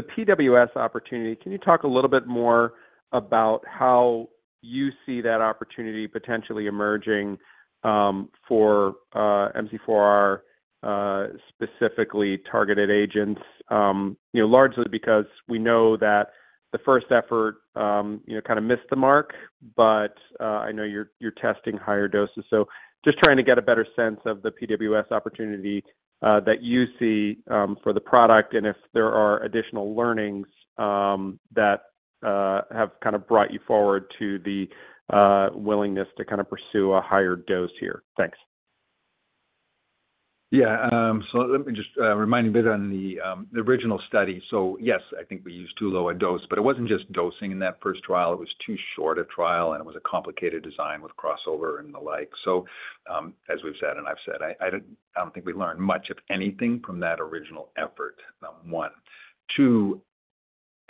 PWS opportunity, can you talk a little bit more about how you see that opportunity potentially emerging for MC4R, specifically targeted agents, largely because we know that the first effort kind of missed the mark, but I know you're testing higher doses. Just trying to get a better sense of the PWS opportunity that you see for the product and if there are additional learnings that have kind of brought you forward to the willingness to kind of pursue a higher dose here. Thanks. Yeah. Let me just remind you a bit on the original study. Yes, I think we used too low a dose. It was not just dosing in that first trial. It was too short a trial, and it was a complicated design with crossover and the like. As we have said and I have said, I do not think we learned much, if anything, from that original effort, one. Two,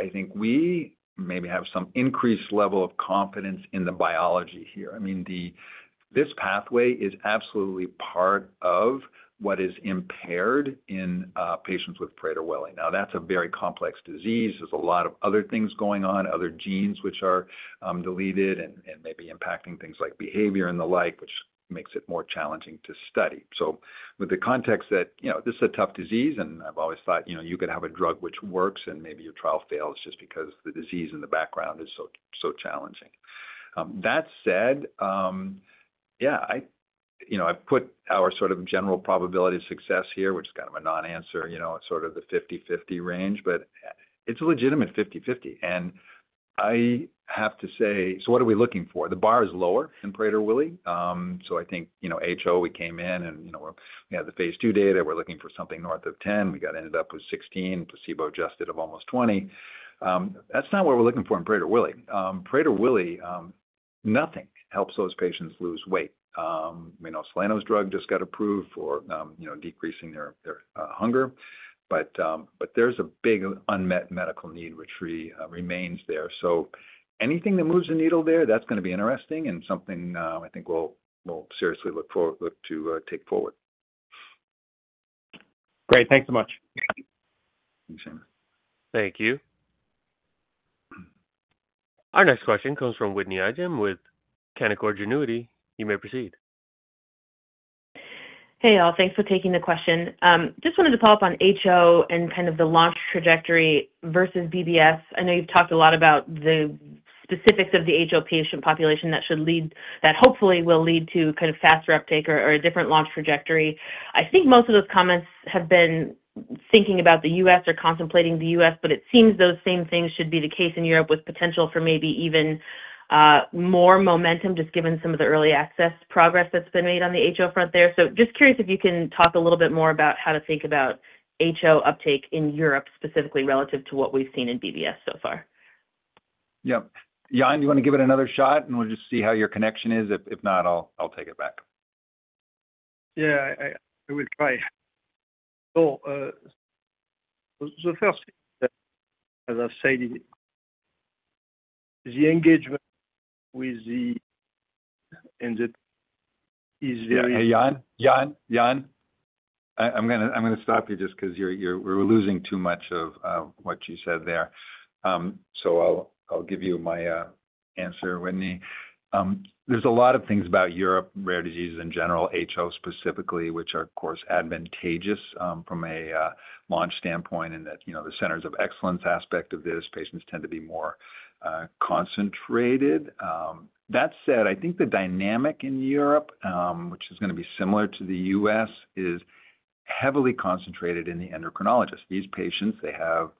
I think we maybe have some increased level of confidence in the biology here. I mean, this pathway is absolutely part of what is impaired in patients with Prader-Willi. Now, that is a very complex disease. There are a lot of other things going on, other genes which are deleted and maybe impacting things like behavior and the like, which makes it more challenging to study. With the context that this is a tough disease, and I've always thought you could have a drug which works, and maybe your trial fails just because the disease in the background is so challenging. That said, yeah, I've put our sort of general probability of success here, which is kind of a non-answer, sort of the 50/50 range, but it's a legitimate 50/50. I have to say, what are we looking for? The bar is lower in Prader-Willi. I think HO, we came in, and we had the phase II data. We're looking for something north of 10%. We ended up with 16%, placebo adjusted of almost 20%. That's not what we're looking for in Prader-Willi. Prader-Willi, nothing helps those patients lose weight. Salerno's drug just got approved for decreasing their hunger. There's a big unmet medical need which remains there. Anything that moves the needle there, that's going to be interesting and something I think we'll seriously look to take forward. Great. Thanks so much. Thanks, Seamus. Thank you. Our next question comes from Whitney Ijem with Canaccord Genuity. You may proceed. Hey, all. Thanks for taking the question. Just wanted to follow up on HO and kind of the launch trajectory versus BBS. I know you've talked a lot about the specifics of the HO patient population that hopefully will lead to kind of faster uptake or a different launch trajectory. I think most of those comments have been thinking about the U.S. or contemplating the U.S., but it seems those same things should be the case in Europe with potential for maybe even more momentum just given some of the early access progress that's been made on the HO front there. Just curious if you can talk a little bit more about how to think about HO uptake in Europe specifically relative to what we've seen in BBS so far. Yep. Yeah. You want to give it another shot, and we'll just see how your connection is. If not, I'll take it back. Yeah. I will try. First, as I've said, the engagement with the. And that is very. Yann. Yann. I'm going to stop you just because we're losing too much of what you said there. I'll give you my answer, Whitney. There's a lot of things about Europe rare diseases in general, HO specifically, which are, of course, advantageous from a launch standpoint in that the centers of excellence aspect of this, patients tend to be more concentrated. That said, I think the dynamic in Europe, which is going to be similar to the U.S., is heavily concentrated in the endocrinologists. These patients, they have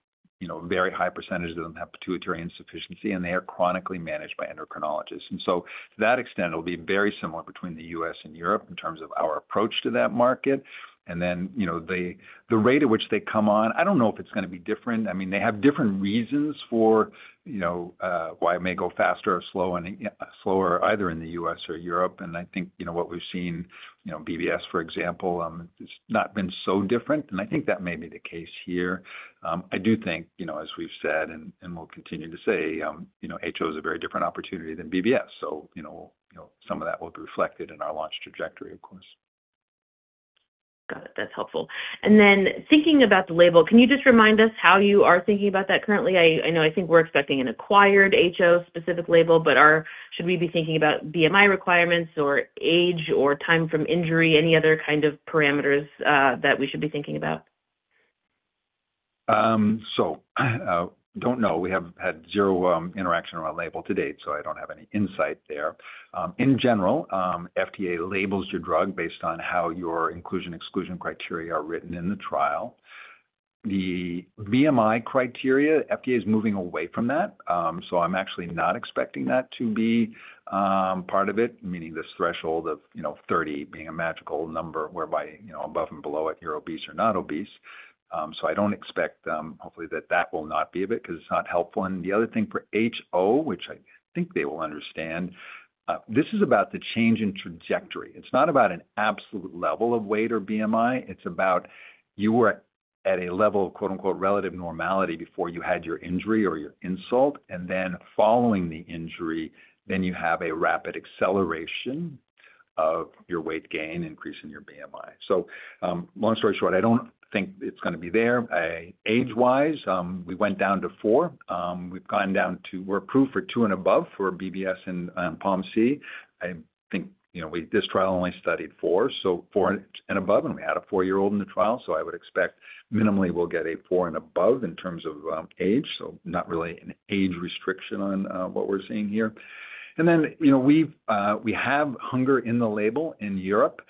very high percentages of them have pituitary insufficiency, and they are chronically managed by endocrinologists. To that extent, it'll be very similar between the U.S. and Europe in terms of our approach to that market. The rate at which they come on, I don't know if it's going to be different. I mean, they have different reasons for why it may go faster or slower either in the U.S. or Europe. I think what we've seen, BBS, for example, has not been so different. I think that may be the case here. I do think, as we've said, and we'll continue to say, HO is a very different opportunity than BBS. Some of that will be reflected in our launch trajectory, of course. Got it. That's helpful. Then thinking about the label, can you just remind us how you are thinking about that currently? I know I think we're expecting an acquired HO-specific label, but should we be thinking about BMI requirements or age or time from injury, any other kind of parameters that we should be thinking about? I don't know. We have had zero interaction around label to date, so I don't have any insight there. In general, FDA labels your drug based on how your inclusion/exclusion criteria are written in the trial. The BMI criteria, FDA is moving away from that. I'm actually not expecting that to be part of it, meaning this threshold of 30 being a magical number whereby above and below it, you're obese or not obese. I don't expect, hopefully, that that will be part of it because it's not helpful. The other thing for HO, which I think they will understand, this is about the change in trajectory. It's not about an absolute level of weight or BMI. It's about you were at a level of "relative normality" before you had your injury or your insult. Following the injury, you have a rapid acceleration of your weight gain, increase in your BMI. Long story short, I do not think it is going to be there. Age-wise, we went down to four. We have gone down to we are approved for two and above for BBS and POMC. I think this trial only studied four, so four and above. We had a four-year-old in the trial. I would expect minimally we will get a four and above in terms of age. Not really an age restriction on what we are seeing here. We have hunger in the label in Europe.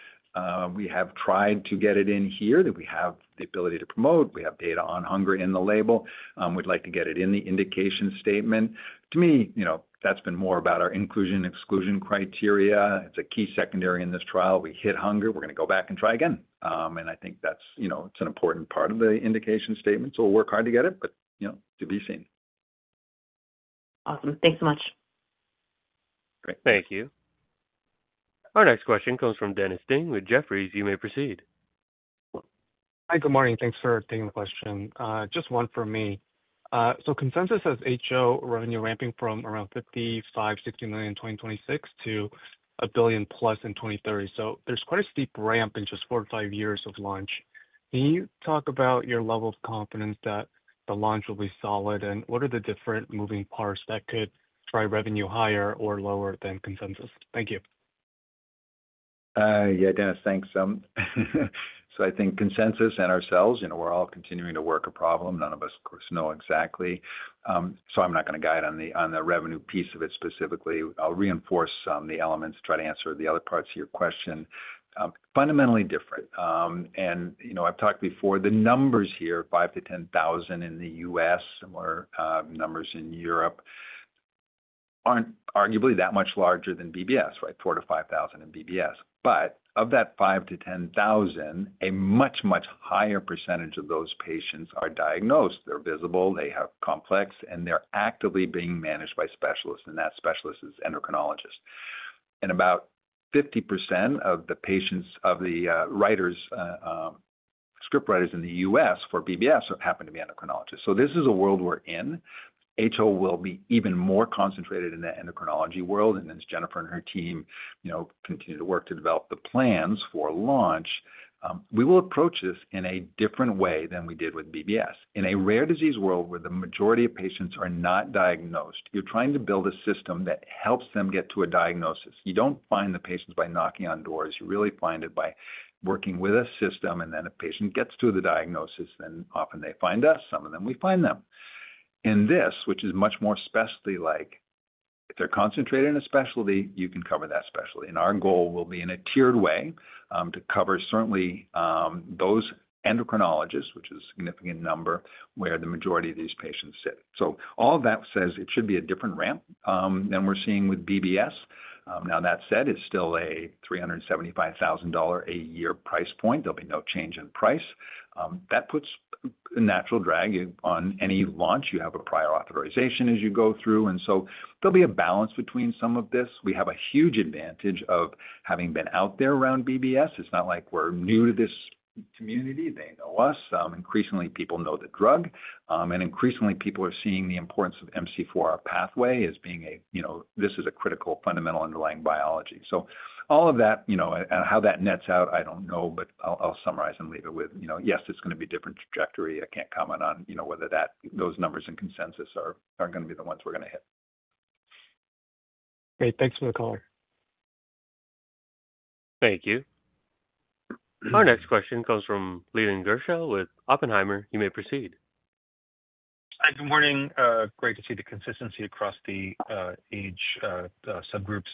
We have tried to get it in here that we have the ability to promote. We have data on hunger in the label. We would like to get it in the indication statement. To me, that has been more about our inclusion/exclusion criteria. It's a key secondary in this trial. We hit hunger. We're going to go back and try again. I think that's an important part of the indication statement. We'll work hard to get it, but to be seen. Awesome. Thanks so much. Great. Thank you. Our next question comes from Dennis Ding with Jefferies. You may proceed. Hi. Good morning. Thanks for taking the question. Just one for me. Consensus has HO revenue ramping from around $55 million-$60 million in 2026 to $1 billion plus in 2030. There is quite a steep ramp in just four to five years of launch. Can you talk about your level of confidence that the launch will be solid, and what are the different moving parts that could drive revenue higher or lower than consensus? Thank you. Yeah, Dennis, thanks. I think consensus and ourselves, we're all continuing to work a problem. None of us, of course, know exactly. I'm not going to guide on the revenue piece of it specifically. I'll reinforce some of the elements to try to answer the other parts of your question. Fundamentally different. I've talked before, the numbers here, 5,000-10,000 in the U.S., similar numbers in Europe aren't arguably that much larger than BBS, right? 4,000-5,000 in BBS. Of that 5,000-10,000, a much, much higher percentage of those patients are diagnosed. They're visible. They have complex, and they're actively being managed by specialists. That specialist is endocrinologist. About 50% of the writers, script writers in the U.S. for BBS happen to be endocrinologists. This is a world we're in. HO will be even more concentrated in the endocrinology world. As Jennifer and her team continue to work to develop the plans for launch, we will approach this in a different way than we did with BBS. In a rare disease world where the majority of patients are not diagnosed, you're trying to build a system that helps them get to a diagnosis. You don't find the patients by knocking on doors. You really find it by working with a system. If a patient gets to the diagnosis, then often they find us. Some of them, we find them. In this, which is much more specialty-like, if they're concentrated in a specialty, you can cover that specialty. Our goal will be in a tiered way to cover certainly those endocrinologists, which is a significant number where the majority of these patients sit. All of that says it should be a different ramp than we're seeing with BBS. That said, it's still a $375,000 a year price point. There'll be no change in price. That puts a natural drag on any launch. You have a prior authorization as you go through. There'll be a balance between some of this. We have a huge advantage of having been out there around BBS. It's not like we're new to this community. They know us. Increasingly, people know the drug. Increasingly, people are seeing the importance of MC4R pathway as being a this is a critical fundamental underlying biology. All of that, how that nets out, I don't know, but I'll summarize and leave it with, yes, it's going to be a different trajectory. I can't comment on whether those numbers in Consensus are going to be the ones we're going to hit. Great. Thanks for the call. Thank you. Our next question comes from Leland Gershell with Oppenheimer. You may proceed. Hi. Good morning. Great to see the consistency across the age subgroups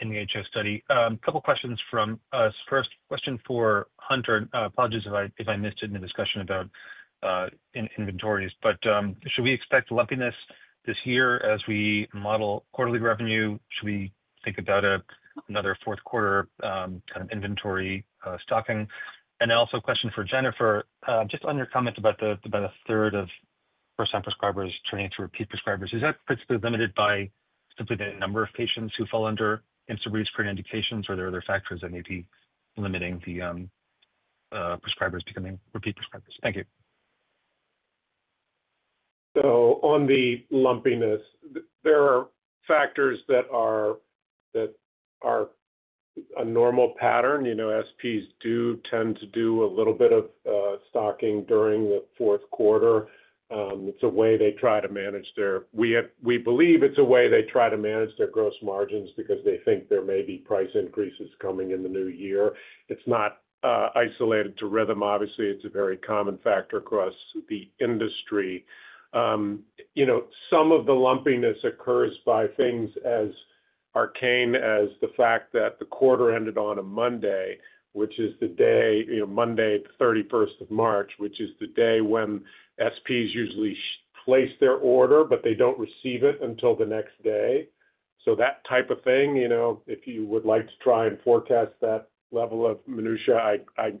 in the HO study. A couple of questions from us. First question for Hunter. Apologies if I missed it in the discussion about inventories. Should we expect lumpiness this year as we model quarterly revenue? Should we think about another fourth quarter kind of inventory stocking? Also a question for Jennifer. Just on your comments about the third of first-time prescribers turning to repeat prescribers, is that principally limited by simply the number of patients who fall under MC4R pathway indications, or are there other factors that may be limiting the prescribers becoming repeat prescribers? Thank you. On the lumpiness, there are factors that are a normal pattern. SPs do tend to do a little bit of stocking during the fourth quarter. It is a way they try to manage their, we believe it is a way they try to manage their gross margins because they think there may be price increases coming in the new year. It is not isolated to Rhythm, obviously. It is a very common factor across the industry. Some of the lumpiness occurs by things as arcane as the fact that the quarter ended on a Monday, which is the day, Monday, the 31st of March, which is the day when SPs usually place their order, but they do not receive it until the next day. That type of thing, if you would like to try and forecast that level of minutia, I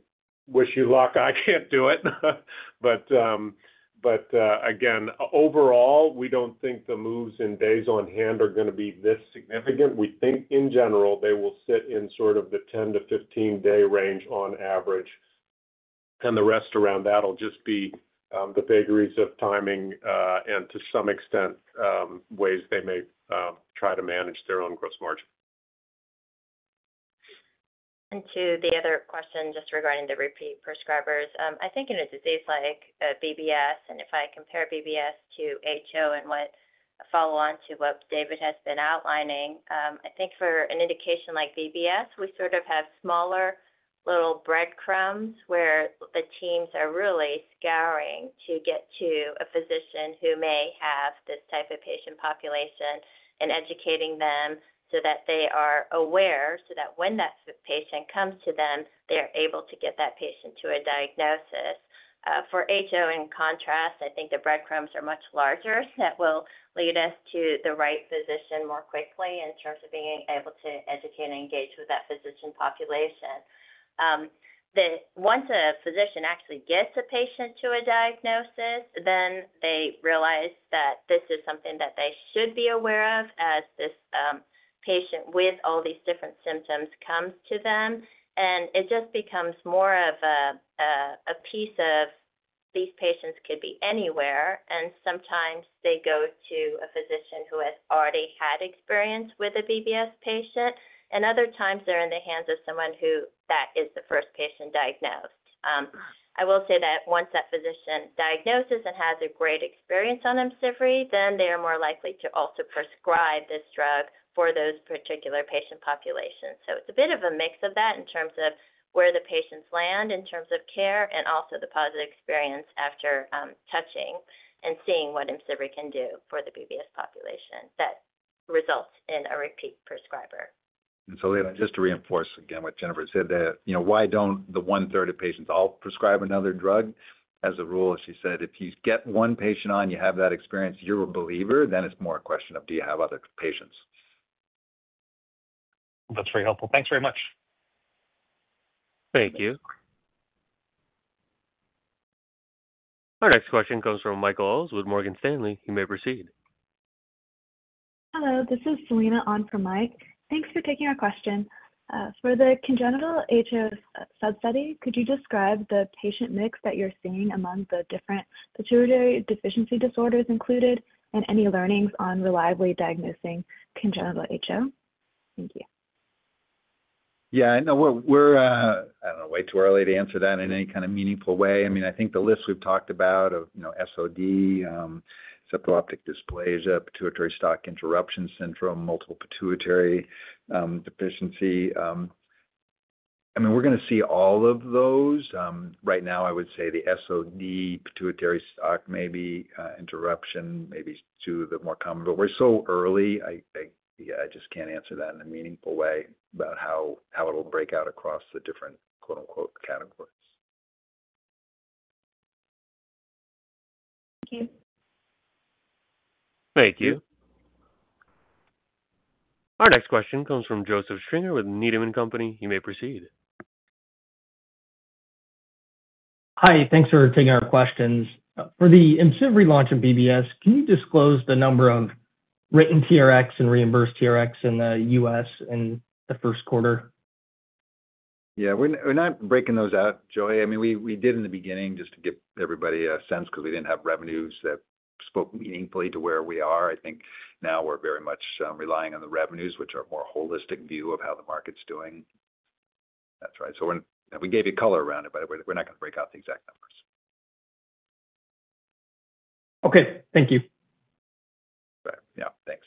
wish you luck. I cannot do it. Again, overall, we don't think the moves in days on hand are going to be this significant. We think, in general, they will sit in sort of the 10-15 day range on average. The rest around that will just be the vagaries of timing and, to some extent, ways they may try to manage their own gross margin. To the other question just regarding the repeat prescribers, I think in a disease like BBS, and if I compare BBS to HO and follow on to what David has been outlining, I think for an indication like BBS, we sort of have smaller little breadcrumbs where the teams are really scouring to get to a physician who may have this type of patient population and educating them so that they are aware so that when that patient comes to them, they are able to get that patient to a diagnosis. For HO, in contrast, I think the breadcrumbs are much larger that will lead us to the right physician more quickly in terms of being able to educate and engage with that physician population. Once a physician actually gets a patient to a diagnosis, they realize that this is something that they should be aware of as this patient with all these different symptoms comes to them. It just becomes more of a piece of these patients could be anywhere. Sometimes they go to a physician who has already had experience with a BBS patient. Other times, they're in the hands of someone who that is the first patient diagnosed. I will say that once that physician diagnoses and has a great experience on IMCIVREE, they are more likely to also prescribe this drug for those particular patient populations. It's a bit of a mix of that in terms of where the patients land in terms of care and also the positive experience after touching and seeing what IMCIVREE can do for the BBS population that results in a repeat prescriber. Just to reinforce again what Jennifer said, why do not the one third of patients all prescribe another drug? As a rule, as she said, if you get one patient on, you have that experience, you are a believer, then it is more a question of, do you have other patients? That's very helpful. Thanks very much. Thank you. Our next question comes from Michael Owles with Morgan Stanley. You may proceed. Hello. This is Selena on for Mike. Thanks for taking our question. For the congenital HO sub-study, could you describe the patient mix that you're seeing among the different pituitary deficiency disorders included and any learnings on reliably diagnosing congenital HO? Thank you. Yeah. I don't know. Way too early to answer that in any kind of meaningful way. I mean, I think the list we've talked about of SOD, septo-optic dysplasia, pituitary stalk interruption syndrome, multiple pituitary deficiency, I mean, we're going to see all of those. Right now, I would say the SOD, pituitary stalk, maybe interruption, maybe two of the more common. I just can't answer that in a meaningful way about how it'll break out across the different "categories. Thank you. Thank you. Our next question comes from Joseph Stringer with Needham & Company. You may proceed. Hi. Thanks for taking our questions. For the IMCIVREE relaunch of BBS, can you disclose the number of written TRx and reimbursed TRx in the U.S. in the first quarter? Yeah. We're not breaking those out, Joy. I mean, we did in the beginning just to give everybody a sense because we didn't have revenues that spoke meaningfully to where we are. I think now we're very much relying on the revenues, which are a more holistic view of how the market's doing. That's right. We gave you color around it, but we're not going to break out the exact numbers. Okay. Thank you. Right. Yeah. Thanks.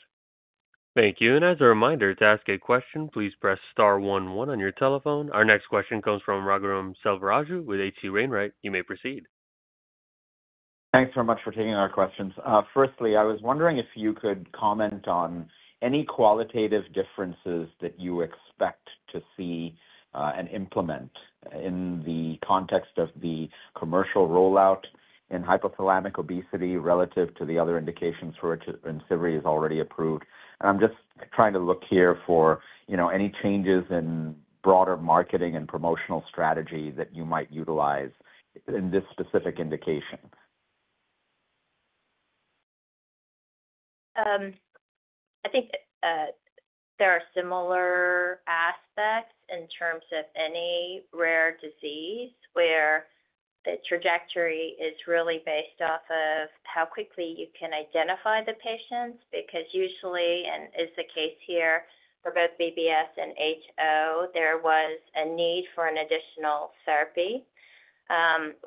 Thank you. As a reminder, to ask a question, please press star 11 on your telephone. Our next question comes from Raghuram Selvaraju with H.C. Wainwright. You may proceed. Thanks very much for taking our questions. Firstly, I was wondering if you could comment on any qualitative differences that you expect to see and implement in the context of the commercial rollout in hypothalamic obesity relative to the other indications for which IMCIVREE is already approved. I'm just trying to look here for any changes in broader marketing and promotional strategy that you might utilize in this specific indication. I think there are similar aspects in terms of any rare disease where the trajectory is really based off of how quickly you can identify the patients because usually, and is the case here for both BBS and HO, there was a need for an additional therapy.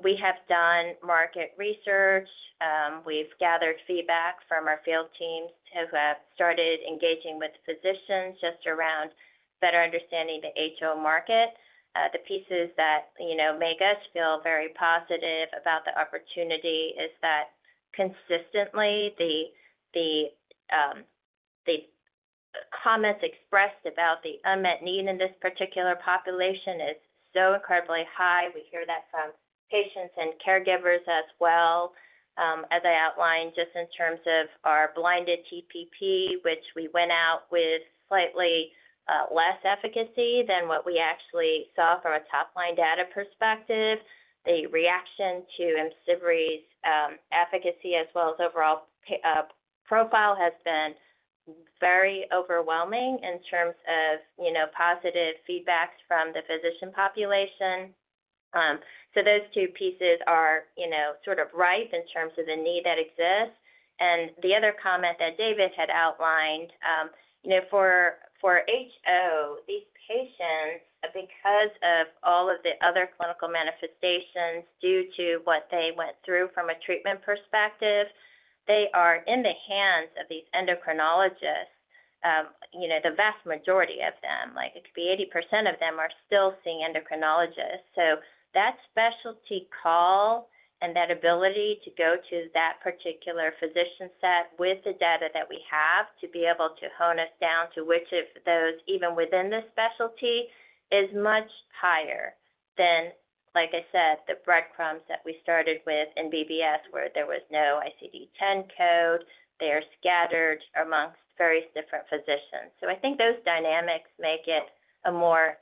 We have done market research. We have gathered feedback from our field teams who have started engaging with physicians just around better understanding the HO market. The pieces that make us feel very positive about the opportunity is that consistently, the comments expressed about the unmet need in this particular population is so incredibly high. We hear that from patients and caregivers as well. As I outlined, just in terms of our blinded TPP, which we went out with slightly less efficacy than what we actually saw from a top-line data perspective, the reaction to IMCIVREE efficacy as well as overall profile has been very overwhelming in terms of positive feedback from the physician population. Those two pieces are sort of ripe in terms of the need that exists. The other comment that David had outlined, for HO, these patients, because of all of the other clinical manifestations due to what they went through from a treatment perspective, they are in the hands of these endocrinologists, the vast majority of them. It could be 80% of them are still seeing endocrinologists. That specialty call and that ability to go to that particular physician set with the data that we have to be able to hone us down to which of those, even within the specialty, is much higher than, like I said, the breadcrumbs that we started with in BBS where there was no ICD-10 code. They are scattered amongst various different physicians. I think those dynamics make it a more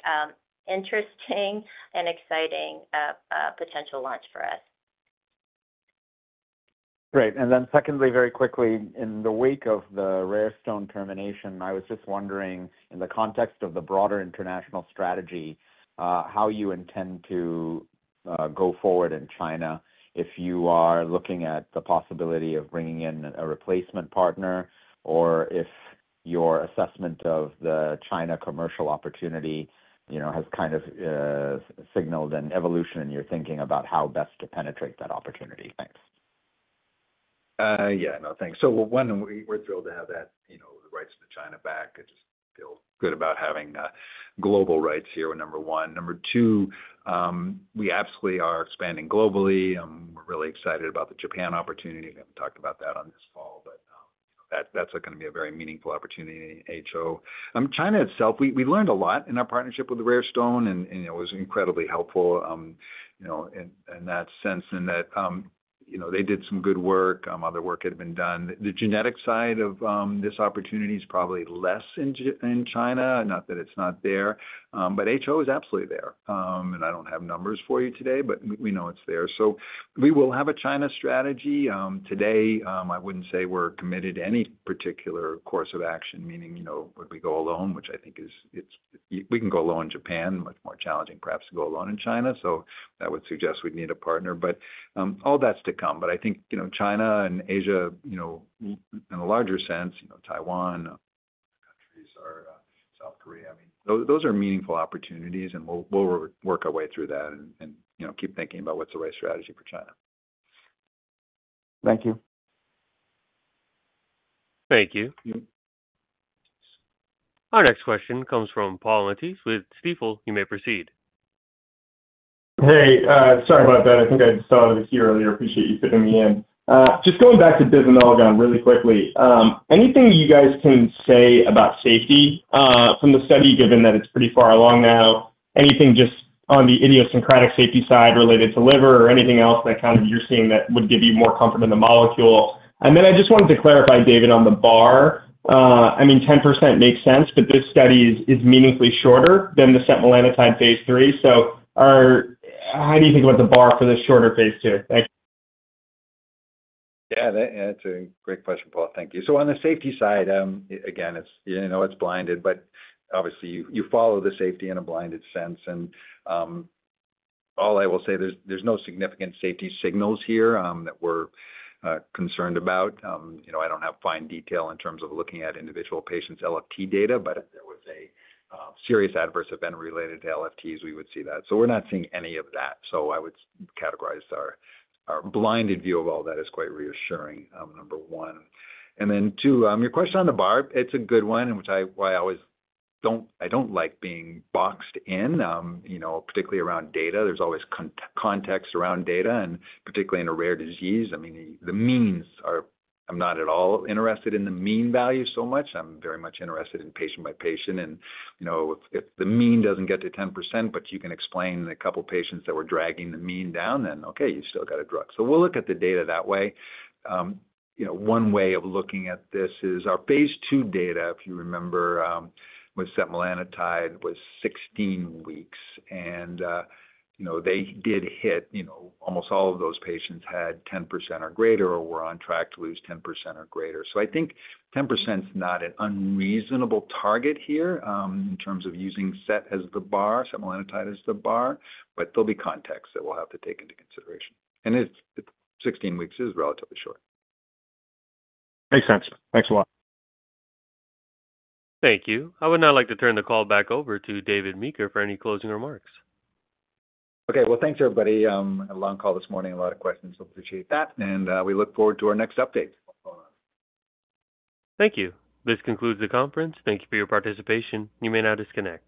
interesting and exciting potential launch for us. Great. And then secondly, very quickly, in the wake of the RareStone termination, I was just wondering, in the context of the broader international strategy, how you intend to go forward in China if you are looking at the possibility of bringing in a replacement partner or if your assessment of the China commercial opportunity has kind of signaled an evolution in your thinking about how best to penetrate that opportunity. Thanks. Yeah. No, thanks. So one, we're thrilled to have the rights to China back. I just feel good about having global rights here, number one. Number two, we absolutely are expanding globally. We're really excited about the Japan opportunity. We haven't talked about that on this call, but that's going to be a very meaningful opportunity in HO. China itself, we learned a lot in our partnership with RareStone, and it was incredibly helpful in that sense in that they did some good work. Other work had been done. The genetic side of this opportunity is probably less in China, not that it's not there. HO is absolutely there. I don't have numbers for you today, but we know it's there. We will have a China strategy. Today, I wouldn't say we're committed to any particular course of action, meaning would we go alone, which I think is we can go alone in Japan, much more challenging perhaps to go alone in China. That would suggest we'd need a partner. All that's to come. I think China and Asia, in a larger sense, Taiwan, South Korea, I mean, those are meaningful opportunities, and we'll work our way through that and keep thinking about what's the right strategy for China. Thank you. Thank you. Our next question comes from Paul Matisse with Stifel. You may proceed. Hey. Sorry about that. I think I saw the key earlier. Appreciate you fitting me in. Just going back to Bivamelagon again really quickly, anything you guys can say about safety from the study, given that it's pretty far along now? Anything just on the idiosyncratic safety side related to liver or anything else that kind of you're seeing that would give you more comfort in the molecule? I just wanted to clarify, David, on the bar. I mean, 10% makes sense, but this study is meaningfully shorter than the setmelanotide phase III. How do you think about the bar for the shorter phase II? Thank you. Yeah. That's a great question, Paul. Thank you. On the safety side, again, it's blinded, but obviously, you follow the safety in a blinded sense. All I will say, there's no significant safety signals here that we're concerned about. I don't have fine detail in terms of looking at individual patients' LFT data, but if there was a serious adverse event related to LFTs, we would see that. We're not seeing any of that. I would categorize our blinded view of all that as quite reassuring, number one. Two, your question on the bar, it's a good one, which I always don't like being boxed in, particularly around data. There's always context around data, and particularly in a rare disease. I mean, the means are I'm not at all interested in the mean value so much. I'm very much interested in patient by patient. If the mean does not get to 10%, but you can explain a couple of patients that were dragging the mean down, then okay, you still got a drug. We will look at the data that way. One way of looking at this is our phase II data, if you remember, with setmelanotide was 16 weeks. They did hit almost all of those patients had 10% or greater or were on track to lose 10% or greater. I think 10% is not an unreasonable target here in terms of using set as the bar, setmelanotide as the bar, but there will be context that we will have to take into consideration. Sixteen weeks is relatively short. Makes sense. Thanks a lot. Thank you. I would now like to turn the call back over to David Meeker for any closing remarks. Okay. Thanks, everybody. A long call this morning, a lot of questions. We appreciate that. We look forward to our next update. Thank you. This concludes the conference. Thank you for your participation. You may now disconnect.